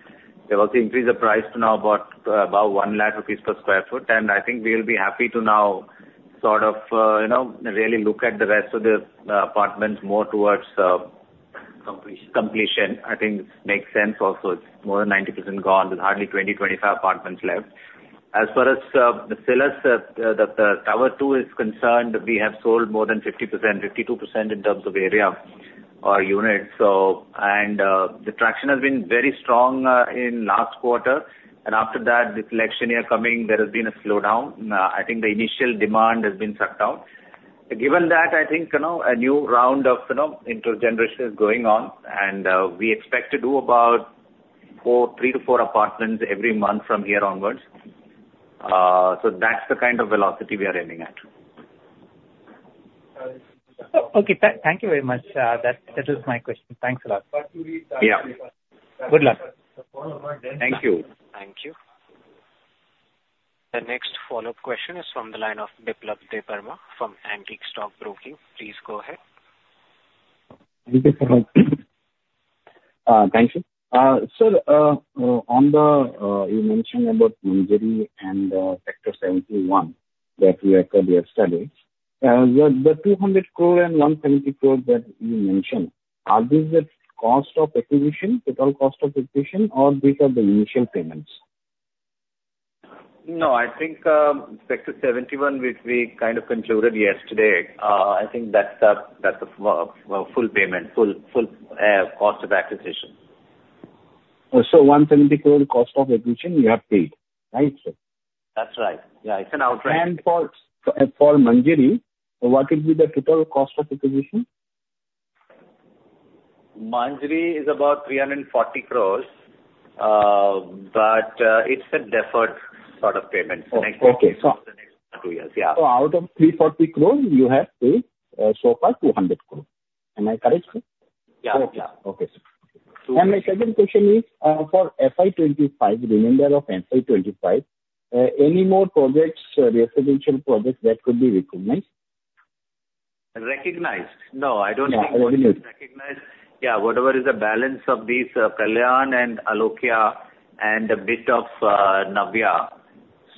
We've also increased the price to now about about 1 lakh rupees per sq ft. And I think we'll be happy to now sort of, you know, really look at the rest of the, apartments more towards, Completion. -completion. I think this makes sense also. It's more than 90% gone, with hardly 20-25 apartments left. As far as the sales of the Tower 2 is concerned, we have sold more than 50%, 52% in terms of area or units. So, the traction has been very strong in last quarter, and after that, with election year coming, there has been a slowdown. I think the initial demand has been sucked out. Given that, I think, you know, a new round of, you know, interest generation is going on, and we expect to do about 3-4 apartments every month from here onwards. So that's the kind of velocity we are aiming at. Okay, thank you very much. That is my question. Thanks a lot. Yeah. Good luck. Thank you. Thank you. The next follow-up question is from the line of Biplab Debbarma from Antique Stock Broking. Please go ahead. Thank you, sir. Thank you. Sir, on the, you mentioned about Manjari and Sector 71, that we acquired yesterday. The 200 crore and 170 crore that you mentioned, are these the cost of acquisition, total cost of acquisition, or these are the initial payments? No, I think, Sector 71, which we kind of concluded yesterday, I think that's the, that's the full, full, cost of acquisition. 170 crore cost of acquisition you have paid, right, sir? That's right. Yeah, it's an outright- For Manjari, what will be the total cost of acquisition? Manjari is about 340 crore, but it's a deferred sort of payment. Okay. So the next two years, yeah. So out of 340 crore, you have paid so far 200 crore. Am I correct, sir? Yeah. Okay. Okay, sir. So- My second question is, for FY 2025, the remainder of FY 2025, any more projects, residential projects that could be recognized? Recognized? No, I don't think- Yeah, recognized. Unrecognized... Yeah, whatever is the balance of these Kalyan and Alokya and a bit of Navya.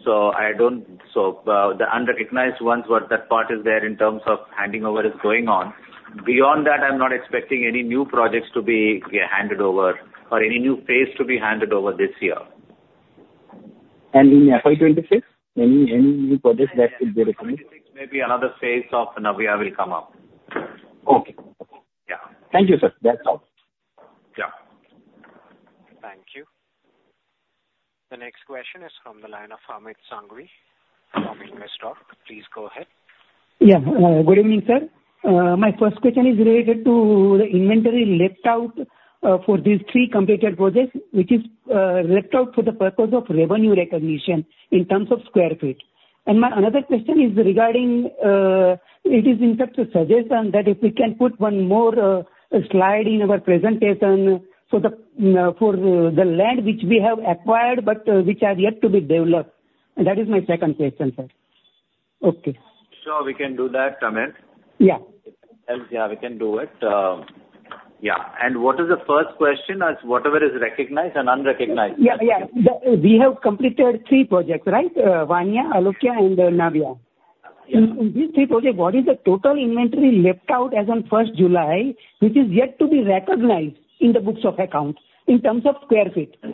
So I don't. So, the unrecognized ones, what that part is there in terms of handing over is going on. Beyond that, I'm not expecting any new projects to be, yeah, handed over, or any new phase to be handed over this year. In FY 2026, any new projects that should be recognized? Maybe another phase of Navya will come up. Okay. Yeah. Thank you, sir. That's all. Yeah. Thank you. The next question is from the line of Amit Sanghvi from Invesco. Please go ahead. Yeah. Good evening, sir. My first question is related to the inventory left out for these three completed projects, which is left out for the purpose of revenue recognition in terms of square feet. And my another question is regarding. It is in fact a suggestion that if we can put one more slide in our presentation so, for the land which we have acquired, but which are yet to be developed. And that is my second question, sir. Okay. Sure, we can do that, Amit. Yeah. Yeah, we can do it. Yeah, and what is the first question as whatever is recognized and unrecognized? Yeah, yeah. We have completed three projects, right? Vanya, Alokya and Navya. Yeah. In these three projects, what is the total inventory left out as on first July, which is yet to be recognized in the books of accounts in terms of sq ft?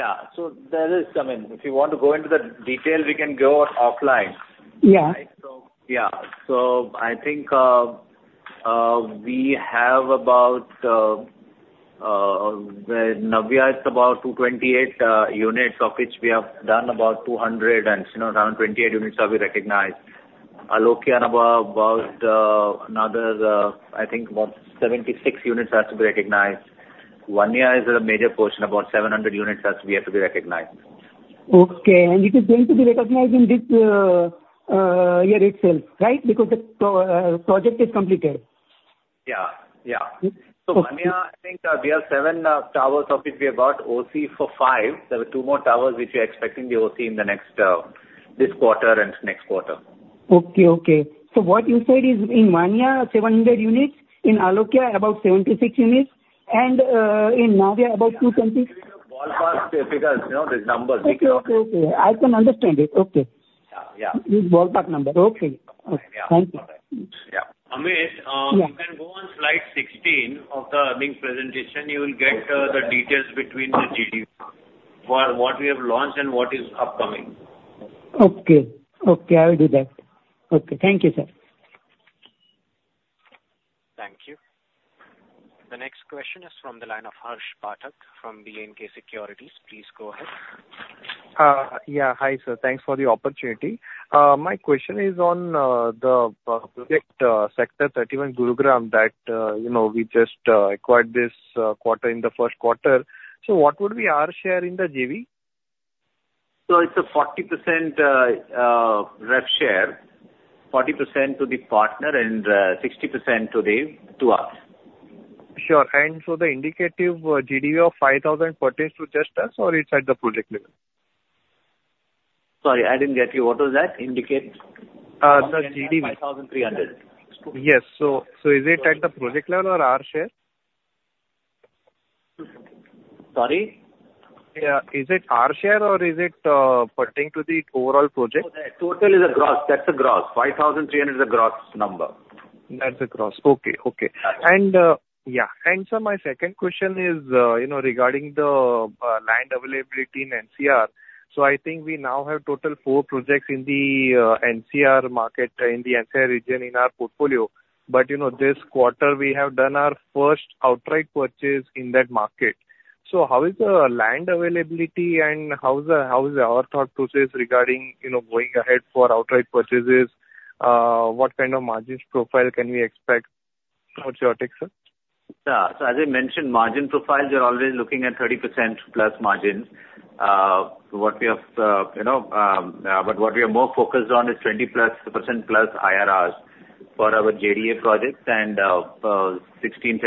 Yeah. So there is, I mean, if you want to go into the detail, we can go offline. Yeah. Right? So, yeah. So I think, we have about, well, Navya is about 228 units, of which we have done about 200, and, you know, around 28 units are to be recognized. Alokya about another, I think about 76 units has to be recognized. Vanya is a major portion, about 700 units has to yet to be recognized. Okay. It is going to be recognized in this year itself, right? Because the project is completed. Yeah. Yeah. Okay. Vanya, I think, we have 7 towers, of which we have got OC for 5. There are 2 more towers which we are expecting the OC in the next, this quarter and next quarter. Okay, okay. So what you said is, in Vanya, 700 units, in Alokya, about 76 units, and in Navya, about 220? Ballpark figures, you know, these numbers. Okay, okay, okay. I can understand it. Okay. Yeah, yeah. Ballpark number. Okay. Yeah. Thank you. Yeah. Amit? Yeah. You can go on slide 16 of the earnings presentation. You will get the details between the GDV for what we have launched and what is upcoming. Okay. Okay, I will do that. Okay. Thank you, sir. Thank you. The next question is from the line of Harsh Pathak from B&K Securities. Please go ahead. ...Yeah. Hi, sir. Thanks for the opportunity. My question is on the project, Sector 31 Gurugram, that you know, we just acquired this quarter in the first quarter. So what would be our share in the JV? It's a 40% rev share. 40% to the partner and 60% to us. Sure. And so the indicative GDV of 5,000 pertains to just us, or it's at the project level? Sorry, I didn't get you. What was that? Indicate? The GDV. 5,300. Yes. So, is it at the project level or our share? Sorry? Yeah. Is it our share or is it pertaining to the overall project? Total is a gross. That's a gross. 5,300 is a gross number. That's a gross. Okay. Okay. Yeah. Yeah, and sir, my second question is, you know, regarding the land availability in NCR. So I think we now have total four projects in the NCR market, in the NCR region in our portfolio. But, you know, this quarter we have done our first outright purchase in that market. So how is the land availability and how is our thought process regarding, you know, going ahead for outright purchases? What kind of margins profile can we expect? What's your take, sir? Yeah. So as I mentioned, margin profiles, we are already looking at 30%+ margins. What we have, you know, but what we are more focused on is 20%+ IRRs for our JDA projects and, 16%-17%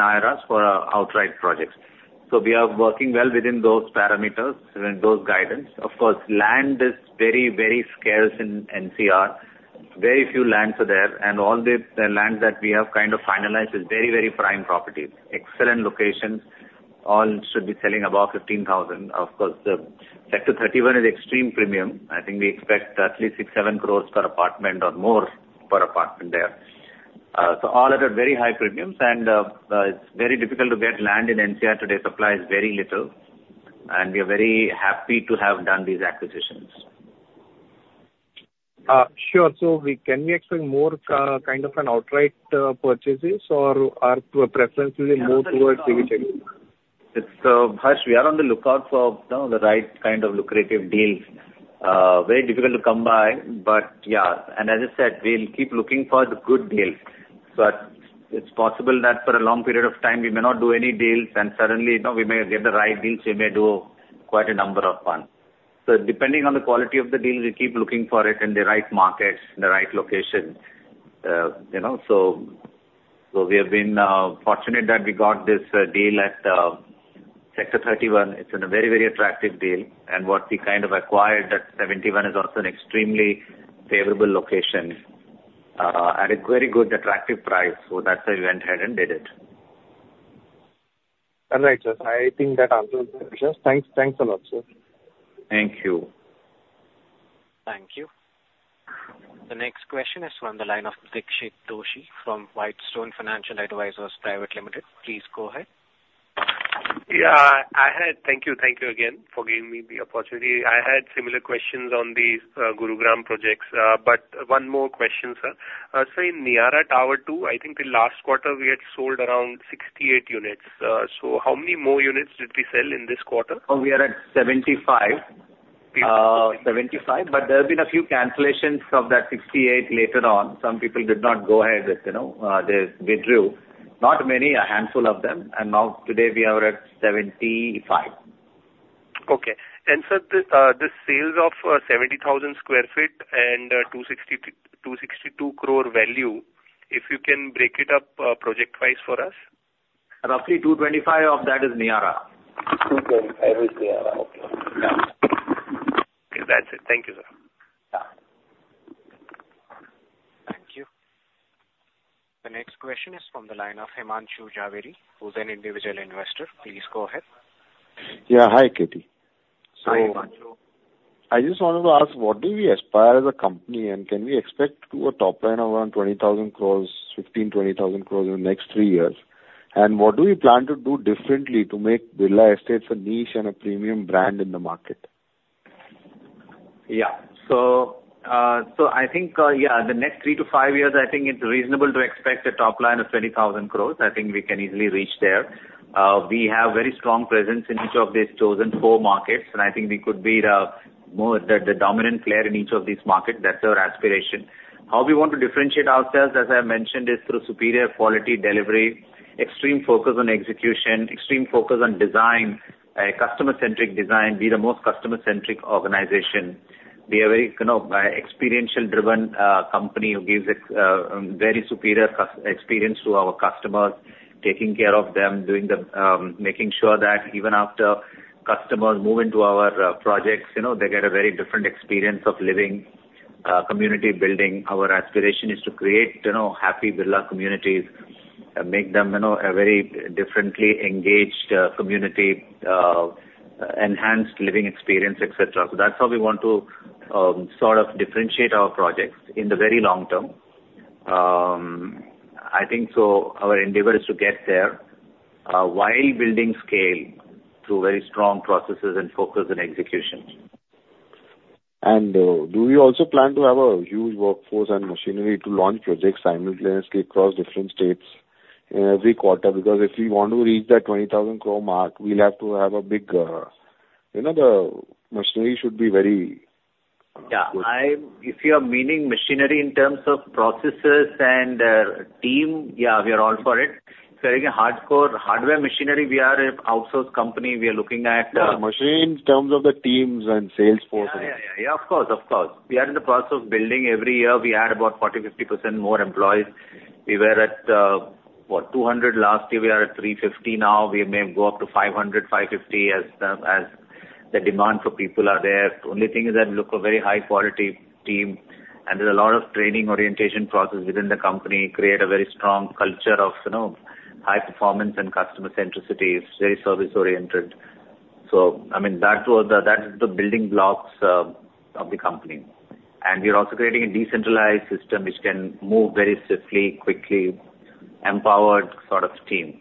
IRRs for our outright projects. So we are working well within those parameters, within those guidance. Of course, land is very, very scarce in NCR. Very few lands are there, and all the lands that we have kind of finalized is very, very prime properties. Excellent locations, all should be selling above 15,000. Of course, the Sector 31 is extreme premium. I think we expect at least 6-7 crore per apartment or more per apartment there. So all at a very high premiums, and, it's very difficult to get land in NCR today. Supply is very little, and we are very happy to have done these acquisitions. Sure. So, can we expect more kind of an outright purchases or our preferences is more towards JV tech? It's Harsh, we are on the lookout for, you know, the right kind of lucrative deals. Very difficult to come by, but yeah, and as I said, we'll keep looking for the good deals. But it's possible that for a long period of time we may not do any deals, and suddenly, you know, we may get the right deals, we may do quite a number of them. So depending on the quality of the deals, we keep looking for it in the right markets, in the right location. You know, so, so we have been fortunate that we got this deal at Sector 31. It's in a very, very attractive deal. And what we kind of acquired at 71 is also an extremely favorable location at a very good attractive price. So that's why we went ahead and did it. All right, sir. I think that answers my questions. Thanks. Thanks a lot, sir. Thank you. Thank you. The next question is from the line of Dixit Doshi from Whitestone Financial Advisors Private Limited. Please go ahead. Yeah. Thank you. Thank you again for giving me the opportunity. I had similar questions on these Gurugram projects, but one more question, sir. So in Niyaara Tower Two, I think the last quarter we had sold around 68 units. So how many more units did we sell in this quarter? Oh, we are at 75. 75, but there have been a few cancellations of that 68 later on. Some people did not go ahead with, you know, they, they drew. Not many, a handful of them, and now today we are at 75. Okay. And sir, the sales of 70,000 sq ft and 262 crore value, if you can break it up project-wise for us. Roughly 225 of that is Niyaara. INR 225 is Niyaara. Okay. Okay, that's it. Thank you, sir. Yeah. Thank you. The next question is from the line of Himanshu Jhaveri, who's an individual investor. Please go ahead. Yeah, hi, KT. Hi, Himanshu. I just wanted to ask, what do we aspire as a company? And can we expect to a top line around 20,000 crore, 15,000-20,000 crore in the next three years? And what do we plan to do differently to make Birla Estates a niche and a premium brand in the market? Yeah. So, so I think, yeah, in the next 3-5 years, I think it's reasonable to expect a top line of 20,000 crore. I think we can easily reach there. We have very strong presence in each of these chosen 4 markets, and I think we could be the, more the, the dominant player in each of these markets. That's our aspiration. How we want to differentiate ourselves, as I mentioned, is through superior quality delivery, extreme focus on execution, extreme focus on design, customer-centric design, be the most customer-centric organization. Be a very, you know, experiential driven company who gives very superior experience to our customers, taking care of them, making sure that even after customers move into our projects, you know, they get a very different experience of living, community building. Our aspiration is to create, you know, happy Birla communities and make them, you know, a very differently engaged community, enhanced living experience, et cetera. So that's how we want to sort of differentiate our projects in the very long term. I think so our endeavor is to get there while building scale through very strong processes and focus on executions.... And, do you also plan to have a huge workforce and machinery to launch projects simultaneously across different states in every quarter? Because if we want to reach that 20,000 crore mark, we'll have to have a big, you know, the machinery should be very- Yeah, if you are meaning machinery in terms of processes and team, yeah, we are all for it. Creating a hardcore hardware machinery, we are a outsource company. We are looking at, Machine in terms of the teams and sales force. Yeah, yeah, yeah. Yeah, of course, of course. We are in the process of building. Every year, we add about 40%-50% more employees. We were at 200 last year. We are at 350 now. We may go up to 500, 550 as the demand for people are there. The only thing is that look a very high quality team, and there's a lot of training orientation process within the company, create a very strong culture of, you know, high performance and customer centricity. It's very service-oriented. So I mean, that was the, that's the building blocks of the company. And we are also creating a decentralized system, which can move very swiftly, quickly, empowered sort of team.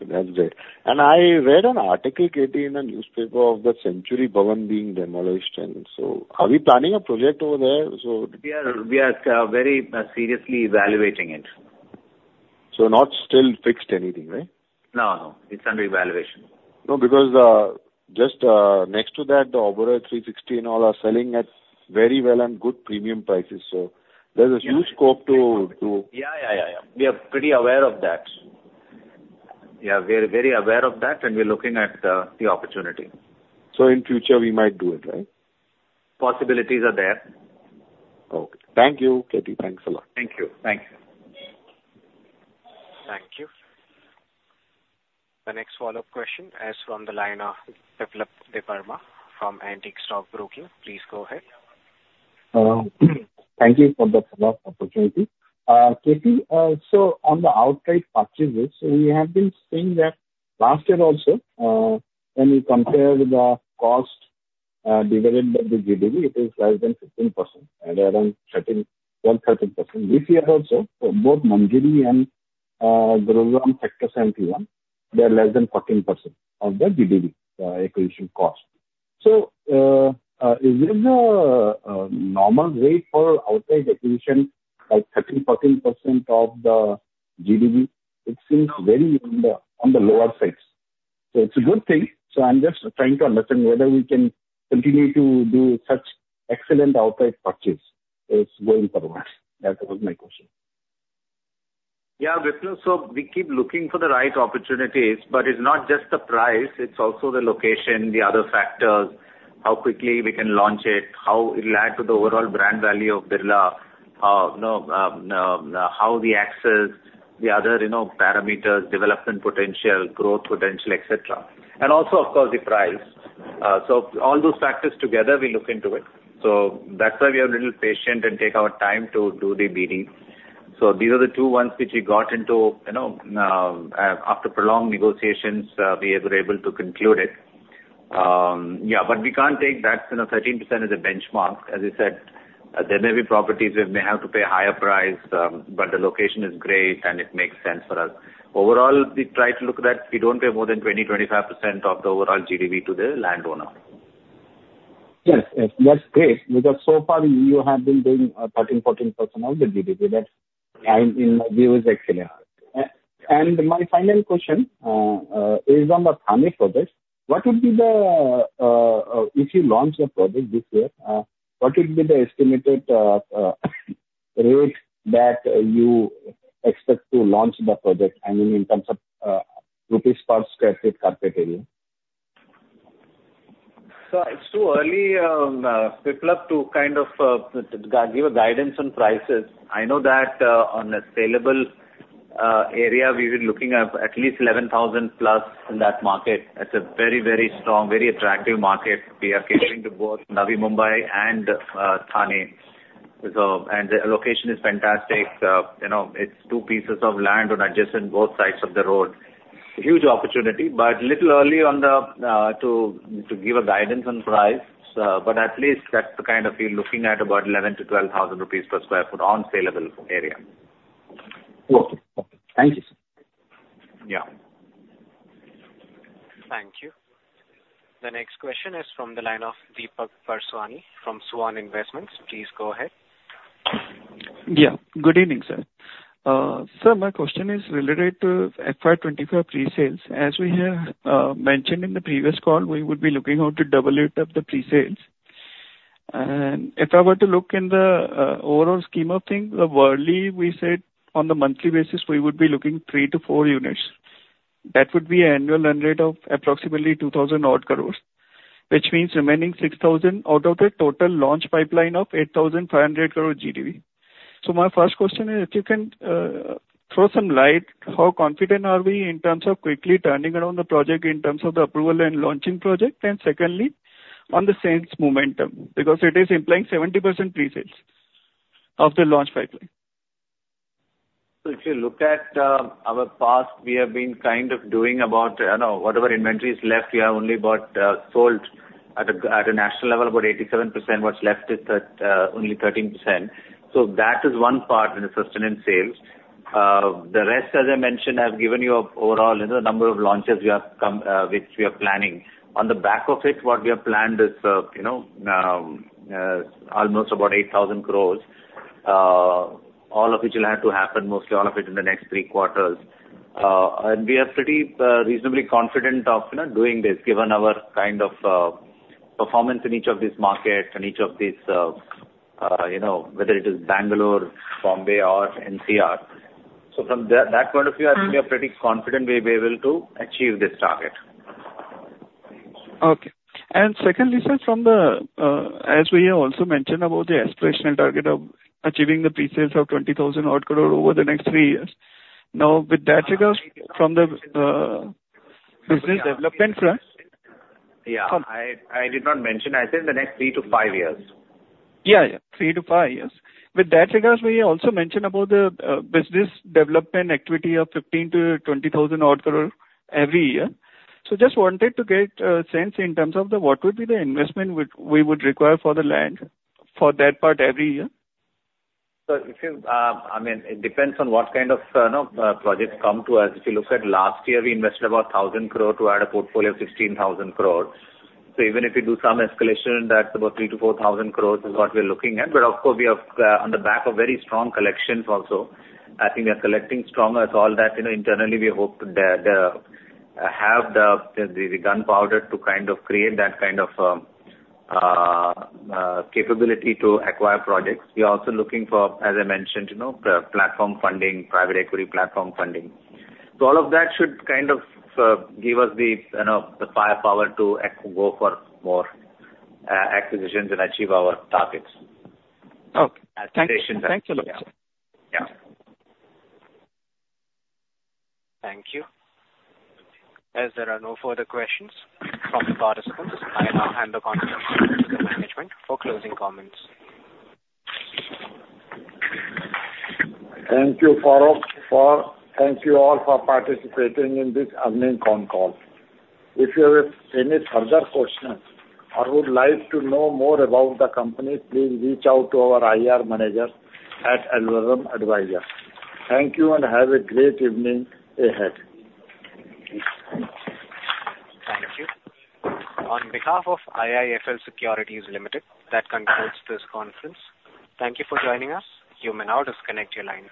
That's great. And I read an article, K.T., in a newspaper of the Century Bhavan being demolished, and so are we planning a project over there? So- We are very seriously evaluating it. So, not still fixed anything, right? No, no. It's under evaluation. No, because, just, next to that, the Oberoi Three Sixty and all are selling at very well and good premium prices, so there's a huge scope to, to- Yeah, yeah, yeah, yeah. We are pretty aware of that. Yeah, we are very aware of that, and we're looking at the opportunity. In future, we might do it, right? Possibilities are there. Okay. Thank you, KT. Thanks a lot. Thank you. Thank you. Thank you. The next follow-up question is from the line of Biplab Debbarma from Antique Stock Broking. Please go ahead. Thank you for the, for the opportunity. K.T., so on the outright purchases, we have been seeing that last year also, when we compare the cost, divided by the GDV, it is less than 15% and around 13, or 13%. This year also, both Manjari and Sector 71, they are less than 14% of the GDV, acquisition cost. So, is this a normal rate for outright acquisition, like 13, 14% of the GDV? It seems very on the, on the lower sides. So it's a good thing. So I'm just trying to understand whether we can continue to do such excellent outright purchase is going forward. That was my question. Yeah, Viplav. So we keep looking for the right opportunities, but it's not just the price, it's also the location, the other factors, how quickly we can launch it, how it'll add to the overall brand value of Birla, you know, how we access the other, you know, parameters, development potential, growth potential, et cetera, and also, of course, the price. So all those factors together, we look into it. So that's why we are a little patient and take our time to do the BD. So these are the two ones which we got into, you know, after prolonged negotiations, we were able to conclude it. Yeah, but we can't take that, you know, 13% as a benchmark. As I said, there may be properties we may have to pay a higher price, but the location is great, and it makes sense for us. Overall, we try to look that we don't pay more than 20%-25% of the overall GDV to the landowner. Yes, yes, that's great, because so far you have been doing 13%-14% of the GDV. That, in my view, is excellent. And my final question is on the Thane project. What would be the, if you launch a project this year, what would be the estimated rates that you expect to launch the project? I mean, in terms of INR per sq ft carpet area. So it's too early, Viplav, to kind of, give a guidance on prices. I know that, on a saleable, area, we were looking at at least 11,000+ in that market. That's a very, very strong, very attractive market. We are catering to both Navi Mumbai and, Thane. So... And the location is fantastic. You know, it's two pieces of land on adjacent both sides of the road. Huge opportunity, but little early on the, to, to give a guidance on price. But at least that's the kind we're looking at, about 11,000-12,000 rupees per sq ft on saleable area. Okay. Okay. Thank you, sir. Yeah. Thank you. The next question is from the line of Deepak Purswani from Svan Investments. Please go ahead. Yeah, good evening, sir. Sir, my question is related to FY 25 pre-sales. As we have mentioned in the previous call, we would be looking how to double it up the pre-sales. And if I were to look in the overall scheme of things, the Worli, we said on the monthly basis, we would be looking 3-4 units. That would be an annual run rate of approximately 2,000 crore, which means remaining 6,000 out of the total launch pipeline of 8,500 crore GDV. So my first question is, if you can throw some light, how confident are we in terms of quickly turning around the project, in terms of the approval and launching project? And secondly, on the sales momentum, because it is implying 70% pre-sales of the launch pipeline. So if you look at our past, we have been kind of doing about, you know, whatever inventory is left, we have only bought sold at a national level, about 87%. What's left is only 13%. So that is one part in the sustenance sales. The rest, as I mentioned, I've given you a overall, you know, number of launches we have come, which we are planning. On the back of it, what we have planned is, you know, almost about 8,000 crore, all of which will have to happen, mostly all of it in the next three quarters. We are pretty reasonably confident of, you know, doing this, given our kind of performance in each of these markets, and each of these, you know, whether it is Bangalore, Bombay or NCR. So from that, that point of view, I think we are pretty confident we'll be able to achieve this target. Okay. And secondly, sir, from the, as we have also mentioned about the aspirational target of achieving the pre-sales of 20,000-odd crore over the next three years. Now, with that figure from the, business development front- Yeah, I did not mention. I said the next 3-5 years. Yeah, yeah, 3-5 years. With that regards, we also mentioned about the business development activity of 15,000-20,000 crore odd every year. So just wanted to get a sense in terms of the, what would be the investment which we would require for the land for that part every year? So if you, I mean, it depends on what kind of projects come to us. If you look at last year, we invested about 1,000 crore to add a portfolio of 16,000 crore. So even if you do some escalation, that's about 3,000-4,000 crore is what we are looking at. But of course, we have, on the back of very strong collections also. I think we are collecting stronger. So all that, you know, internally, we hope that we have the gunpowder to kind of create that kind of capability to acquire projects. We are also looking for, as I mentioned, you know, the platform funding, private equity platform funding. So all of that should kind of give us the, you know, the firepower to go for more acquisitions and achieve our targets. Okay. Acquisitions. Thank you so much, sir. Yeah. Thank you. As there are no further questions from the participants, I now hand the conference to the management for closing comments. Thank you, Farooq. Thank you all for participating in this earnings conference call. If you have any further questions or would like to know more about the company, please reach out to our IR manager at Valorem Advisors. Thank you and have a great evening ahead. Thank you. On behalf of IIFL Securities Limited, that concludes this conference. Thank you for joining us. You may now disconnect your lines.